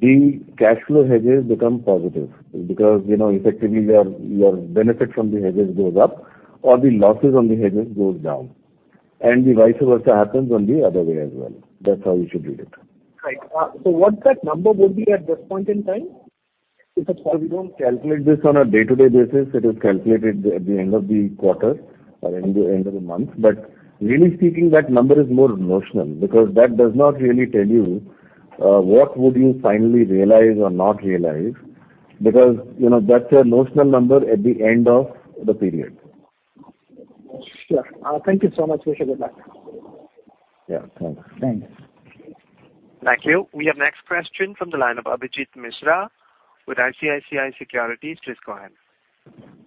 Speaker 8: the cash flow hedges become positive because, you know, effectively your benefit from the hedges goes up or the losses on the hedges goes down. The vice versa happens on the other way as well. That's how you should read it.
Speaker 12: Right. What that number would be at this point in time?
Speaker 8: We don't calculate this on a day-to-day basis. It is calculated at the end of the quarter or end of the month. Really speaking, that number is more notional because that does not really tell you, what would you finally realize or not realize because, you know, that's a notional number at the end of the period.
Speaker 12: Sure. Thank you so much. Appreciate it.
Speaker 8: Yeah. Thanks.
Speaker 3: Thanks.
Speaker 1: Thank you. We have next question from the line of Abhijit Mitra with ICICI Securities. Please go ahead.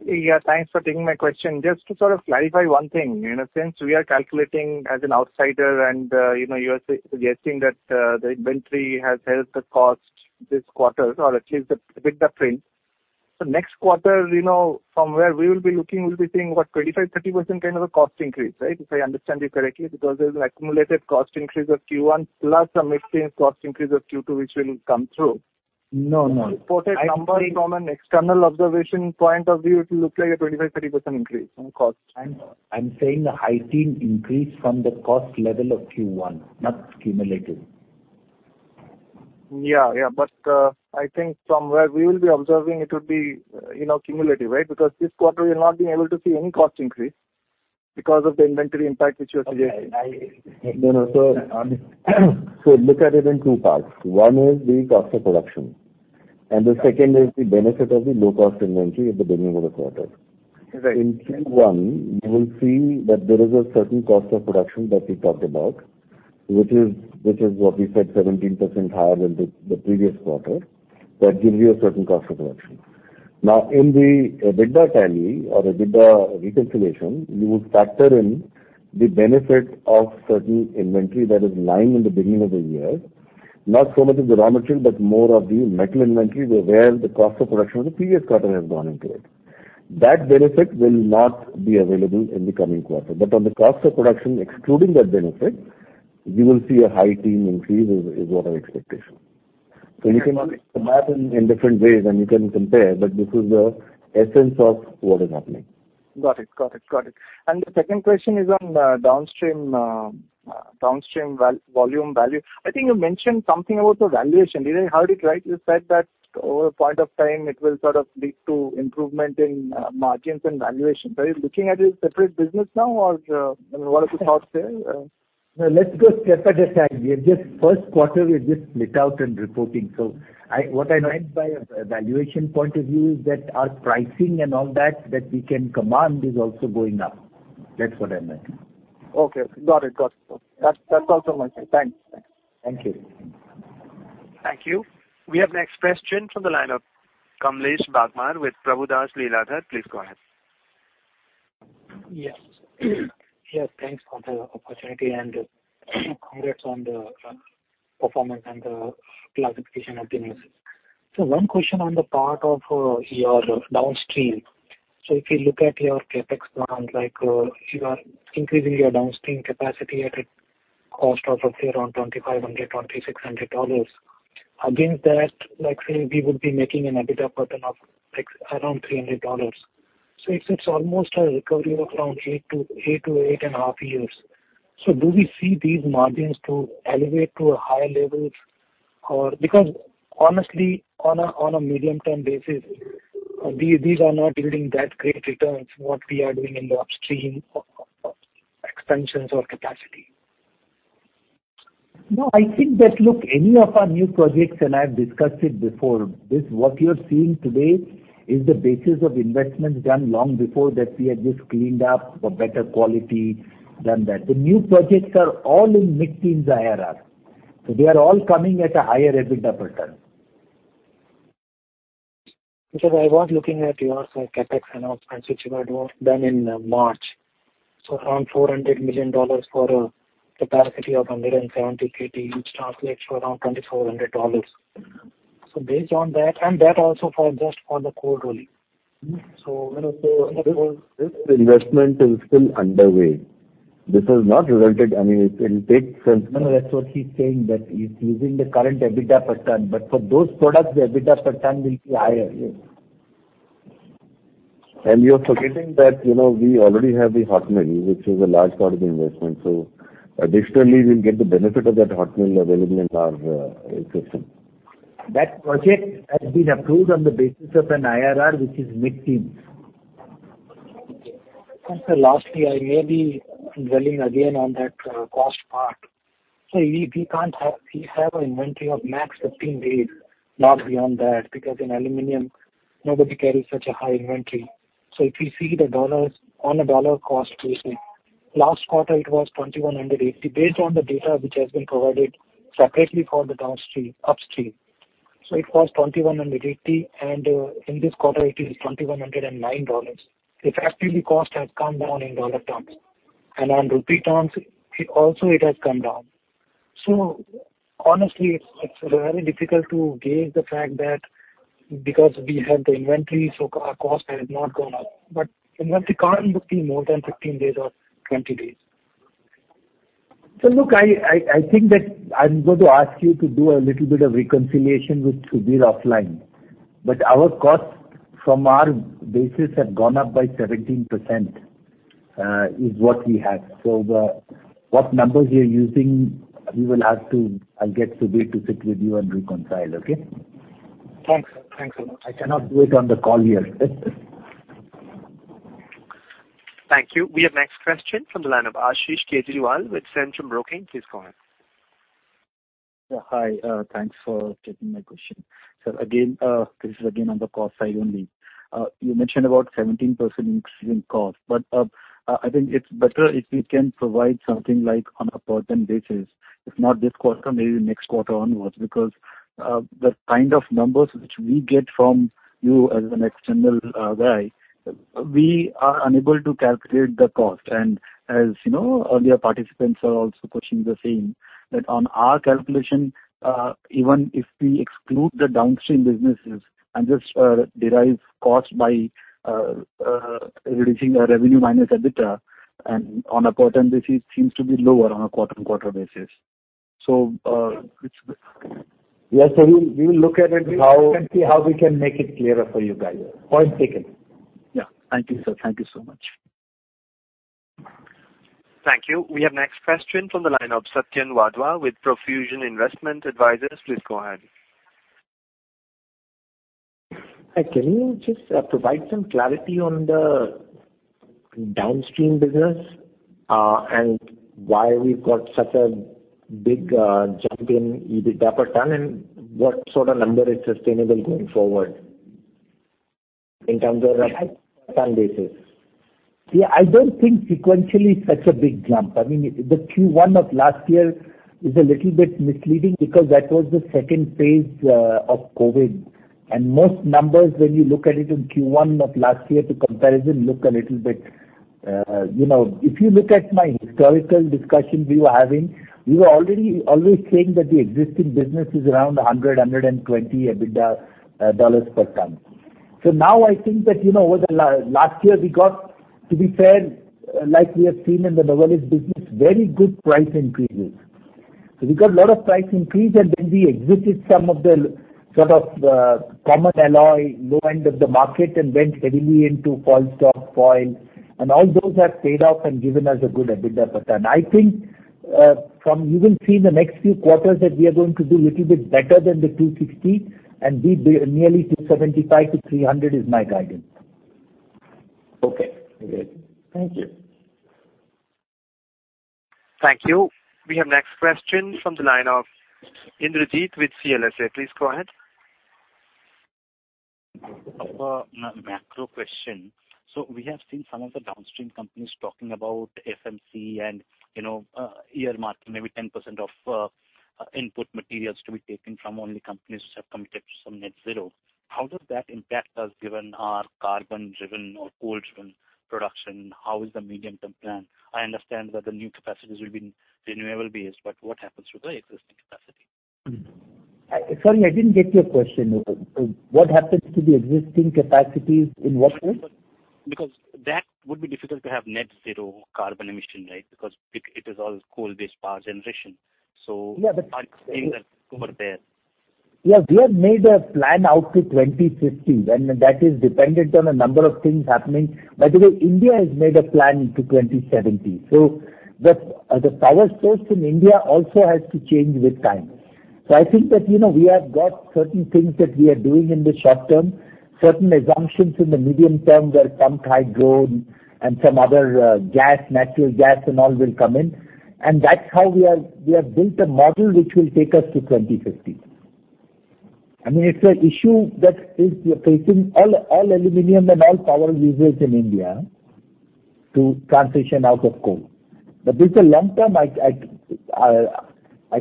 Speaker 13: Yeah, thanks for taking my question. Just to sort of clarify one thing. You know, since we are calculating as an outsider and, you know, you are suggesting that, the inventory has helped the cost this quarter or at least with the print. Next quarter, you know, from where we will be looking, we'll be seeing what, 25%-30% kind of a cost increase, right? If I understand you correctly, because there's an accumulated cost increase of Q1 plus some exchange cost increase of Q2 which will come through.
Speaker 8: No, no.
Speaker 13: Reported number from an external observation point of view, it'll look like a 25%-30% increase in cost.
Speaker 3: I'm saying a high-teen increase from the cost level of Q1, not cumulative.
Speaker 13: I think from where we will be observing it would be, you know, cumulative, right? Because this quarter we're not being able to see any cost increase because of the inventory impact which you are suggesting.
Speaker 8: No. Look at it in two parts. One is the cost of production, and the second is the benefit of the low-cost inventory at the beginning of the quarter.
Speaker 13: Right.
Speaker 8: In Q1 you will see that there is a certain cost of production that we talked about, which is what we said 17% higher than the previous quarter. That gives you a certain cost of production. Now in the EBITDA tally or EBITDA reconciliation, you would factor in the benefit of certain inventory that is lying in the beginning of the year. Not so much of the raw material, but more of the metal inventory where the cost of production of the previous quarter has gone into it. That benefit will not be available in the coming quarter. But on the cost of production, excluding that benefit, you will see a high-teen increase is what our expectation. You can map in different ways and you can compare, but this is the essence of what is happening.
Speaker 13: Got it. The second question is on downstream volume value. I think you mentioned something about the valuation. Did I heard it right? You said that over a point of time it will sort of lead to improvement in margins and valuation. Are you looking at it as separate business now or, I mean, what are the thoughts there?
Speaker 3: No, let's go one step at a time. We have just first quarter, we just split out and reporting. What I meant by valuation point of view is that our pricing and all that we can command is also going up. That's what I meant.
Speaker 13: Okay. Got it. That's all from my side. Thanks.
Speaker 3: Thank you.
Speaker 1: Thank you. We have next question from the line of Kamlesh Bagmar with Prabhudas Lilladher. Please go ahead.
Speaker 14: Yes, thanks for the opportunity and congrats on the performance and the classification of the news. One question on the part of your downstream. If you look at your CapEx plans, like, you are increasing your downstream capacity at a cost of roughly around $2,500-$2,600. Against that, like say we would be making an EBITDA per ton of like around $300. It's almost a recovery of around eight to 8.5 years. Do we see these margins to elevate to higher levels? Or because honestly on a medium-term basis, these are not yielding that great returns what we are doing in the upstream expansions or capacity.
Speaker 3: No, I think that, look, any of our new projects and I've discussed it before. This what you're seeing today is the basis of investments done long before that we have just cleaned up for better quality than that. The new projects are all in mid-teens IRR. They are all coming at a higher EBITDA pattern.
Speaker 14: Because I was looking at your CapEx announcements, which were done in March. Around $400 million for a capacity of 170 kt, which translates to around $2,400. Based on that, and that also for just the cold rolling.
Speaker 8: This investment is still underway. This has not resulted. I mean, it will take some.
Speaker 3: No, no, that's what he's saying, that he's using the current EBITDA per ton, but for those products, the EBITDA per ton will be higher.
Speaker 8: You're forgetting that, you know, we already have the hot mill, which is a large part of the investment. Additionally, we'll get the benefit of that hot mill available in our system.
Speaker 3: That project has been approved on the basis of an IRR, which is mid-teens.
Speaker 14: Sir, lastly, I may be drilling again on that cost part. We can't have, we have an inventory of max 15 days. Not beyond that, because in aluminium, nobody carries such a high inventory. If you see the dollars on a dollar cost basis, last quarter it was $2,180. Based on the data which has been provided separately for the upstream. It was $2,180, and in this quarter it is $2,109. Effectively, cost has come down in dollar terms. On rupee terms, it also has come down. Honestly, it's very difficult to gauge the fact that because we have the inventory, so our cost has not gone up. Inventory can't be more than 15 days or 20 days.
Speaker 3: Look, I think that I'm going to ask you to do a little bit of reconciliation with Subir offline. Our costs from our basis have gone up by 17%, is what we have. What numbers you're using, we will have to. I'll get Subir to sit with you and reconcile, okay?
Speaker 14: Thanks. Thanks a lot.
Speaker 3: I cannot do it on the call here.
Speaker 1: Thank you. We have next question from the line of Ashish Kejriwal with Centrum Broking. Please go ahead.
Speaker 15: Yeah, hi. Thanks for taking my question. Again, this is again on the cost side only. You mentioned about 17% increase in cost. I think it's better if you can provide something like on a per ton basis. If not this quarter, maybe next quarter onwards. The kind of numbers which we get from you as an external guy, we are unable to calculate the cost. As you know, earlier participants are also questioning the same. That on our calculation, even if we exclude the Downstream businesses and just derive cost by reducing our revenue minus EBITDA and on a per ton basis seems to be lower on a quarter-on-quarter basis. It's-
Speaker 3: Yes, we will look at it. We'll see how we can make it clearer for you guys. Point taken.
Speaker 15: Yeah. Thank you, sir. Thank you so much.
Speaker 1: Thank you. We have next question from the line of Satyan Wadhwa with Profusion Investment Advisors. Please go ahead.
Speaker 16: Hi. Can you just provide some clarity on the Downstream business and why we've got such a big jump in EBITDA per ton? What sort of number is sustainable going forward in terms of a per ton basis?
Speaker 3: Yeah, I don't think sequentially it's such a big jump. I mean, the Q1 of last year is a little bit misleading because that was the second phase of COVID. Most numbers, when you look at it in Q1 of last year to comparison, look a little bit, you know. If you look at my historical discussions we were having, we were already always saying that the existing business is around $100-$120 EBITDA per ton. So now I think that, you know, over last year we got, to be fair, like we have seen in the Novelis business, very good price increases. We got a lot of price increase, and then we exited some of the common alloy, low end of the market and went heavily into foilstock, foil, and all those have paid off and given us a good EBITDA per ton. I think, you will see in the next few quarters that we are going to do little bit better than the $260, and be nearly $275-$300 is my guidance.
Speaker 16: Okay. Great. Thank you.
Speaker 1: Thank you. We have next question from the line of Indrajit with CLSA. Please go ahead.
Speaker 4: Macro question. We have seen some of the downstream companies talking about FMC and earmarking maybe 10% of input materials to be taken from only companies which have committed to some net zero. How does that impact us given our carbon-driven or coal-driven production? How is the medium-term plan? I understand that the new capacities will be renewable based, but what happens to the existing capacity?
Speaker 3: Sorry, I didn't get your question. What happens to the existing capacities in what way?
Speaker 4: That would be difficult to have net-zero carbon emission, right? It is all coal-based power generation.
Speaker 3: Yeah, but-
Speaker 4: Are you seeing that over there?
Speaker 3: Yeah, we have made a plan out to 2050, and that is dependent on a number of things happening. By the way, India has made a plan to 2070. The power source in India also has to change with time. I think that, you know, we have got certain things that we are doing in the short term, certain assumptions in the medium term where some hydrogen and some other gas, natural gas and all will come in. And that's how we have built a model which will take us to 2050. I mean, it's an issue that is facing all aluminium and all power users in India to transition out of coal. But this is a long term. I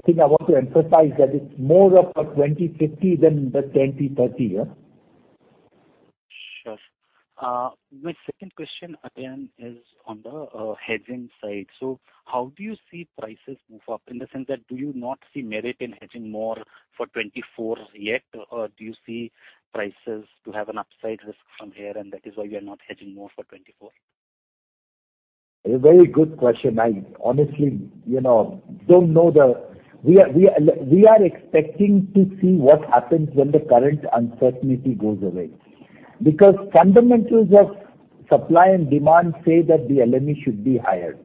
Speaker 3: think I want to emphasize that it's more of a 2050 than the 2030, yeah.
Speaker 4: Sure. My second question again is on the hedging side. How do you see prices move up? In the sense that, do you not see merit in hedging more for 2024 yet or do you see prices to have an upside risk from here and that is why we are not hedging more for 2024?
Speaker 3: A very good question. We are expecting to see what happens when the current uncertainty goes away. Because fundamentals of supply and demand say that the LME should be higher.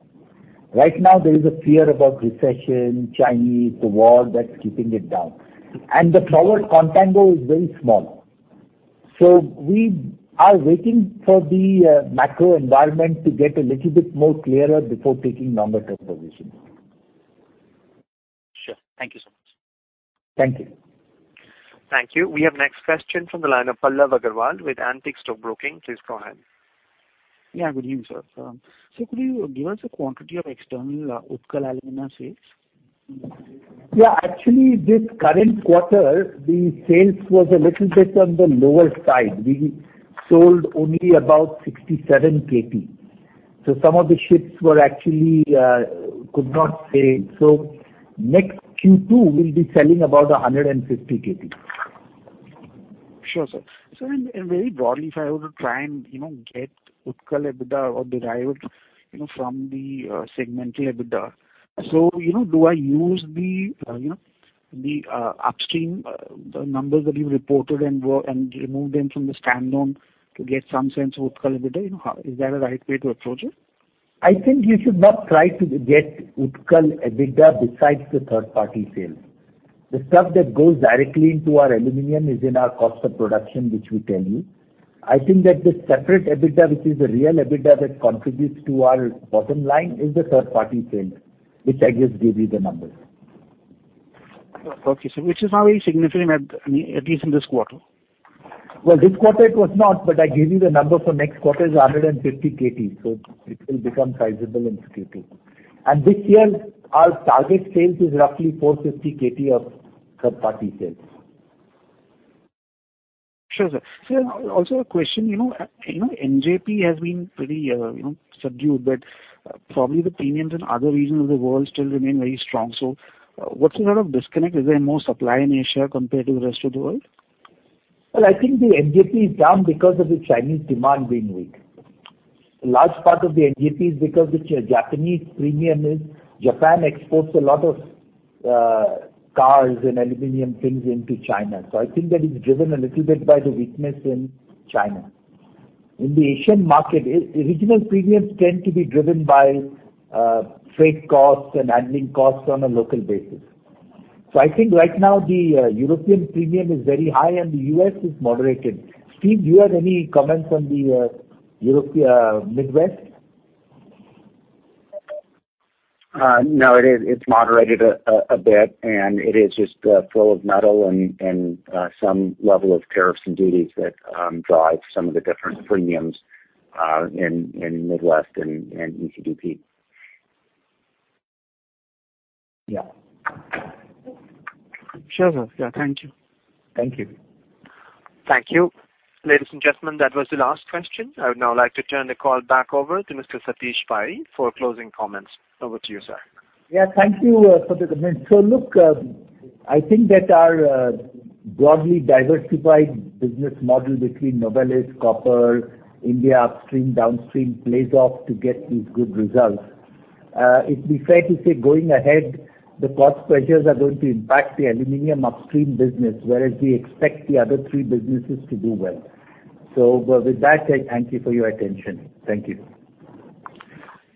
Speaker 3: Right now there is a fear about recession, Chinese, the war that's keeping it down. The forward contango is very small. We are waiting for the macro environment to get a little bit more clearer before taking longer term positions.
Speaker 4: Sure. Thank you so much.
Speaker 3: Thank you.
Speaker 1: Thank you. We have next question from the line of Pallav Agarwal with Antique Stock Broking. Please go ahead.
Speaker 17: Good evening sir. Could you give us a quantity of external Utkal Alumina sales?
Speaker 3: Yeah, actually this current quarter, the sales was a little bit on the lower side. We sold only about 67 kt. Some of the ships were actually could not sail. Next Q2, we'll be selling about 150 kt.
Speaker 17: Sure, sir. In very broadly, if I were to try and, you know, get Utkal EBITDA or derive, you know, from the segmental EBITDA. You know, do I use the, you know, the upstream numbers that you reported and remove them from the standalone to get some sense of Utkal EBITDA? You know, how is that a right way to approach it?
Speaker 3: I think you should not try to get Utkal EBITDA besides the third party sales. The stuff that goes directly into our aluminium is in our cost of production which we tell you. I think that the separate EBITDA which is the real EBITDA that contributes to our bottom line is the third party sales, which I just gave you the numbers.
Speaker 17: Okay. Which is not very significant at, I mean, at least in this quarter.
Speaker 3: Well, this quarter it was not, but I gave you the number for next quarter is 150 kt, so it will become sizable in Q2. This year, our target sales is roughly 450 kt of third party sales.
Speaker 17: Sure, sir. Also a question, you know, MJP has been pretty, you know, subdued, but probably the premiums in other regions of the world still remain very strong. What's the sort of disconnect? Is there more supply in Asia compared to the rest of the world?
Speaker 3: Well, I think the MJP is down because of the Chinese demand being weak. A large part of the MJP is because the Japanese premium is Japan exports a lot of cars and aluminium things into China. I think that is driven a little bit by the weakness in China. In the Asian market, regional premiums tend to be driven by freight costs and admin costs on a local basis. I think right now the European premium is very high and the U.S. is moderated. Steve, do you have any comments on the European, Midwest?
Speaker 5: No, it is. It's moderated a bit and it is just flow of metal and some level of tariffs and duties that drive some of the different premiums in Midwest and ECDP.
Speaker 3: Yeah.
Speaker 17: Sure, sir. Yeah, thank you.
Speaker 3: Thank you.
Speaker 1: Thank you. Ladies and gentlemen, that was the last question. I would now like to turn the call back over to Mr. Satish Pai for closing comments. Over to you, sir.
Speaker 3: Yeah, thank you for the comments. Look, I think that our broadly diversified business model between Novelis, Copper, India Upstream, Downstream plays off to get these good results. It'd be fair to say going ahead, the cost pressures are going to impact the Aluminium Upstream business, whereas we expect the other three businesses to do well. With that said, thank you for your attention. Thank you.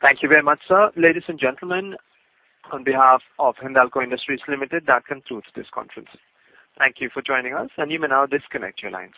Speaker 1: Thank you very much, sir. Ladies and gentlemen, on behalf of Hindalco Industries Limited, that concludes this conference. Thank you for joining us, and you may now disconnect your lines.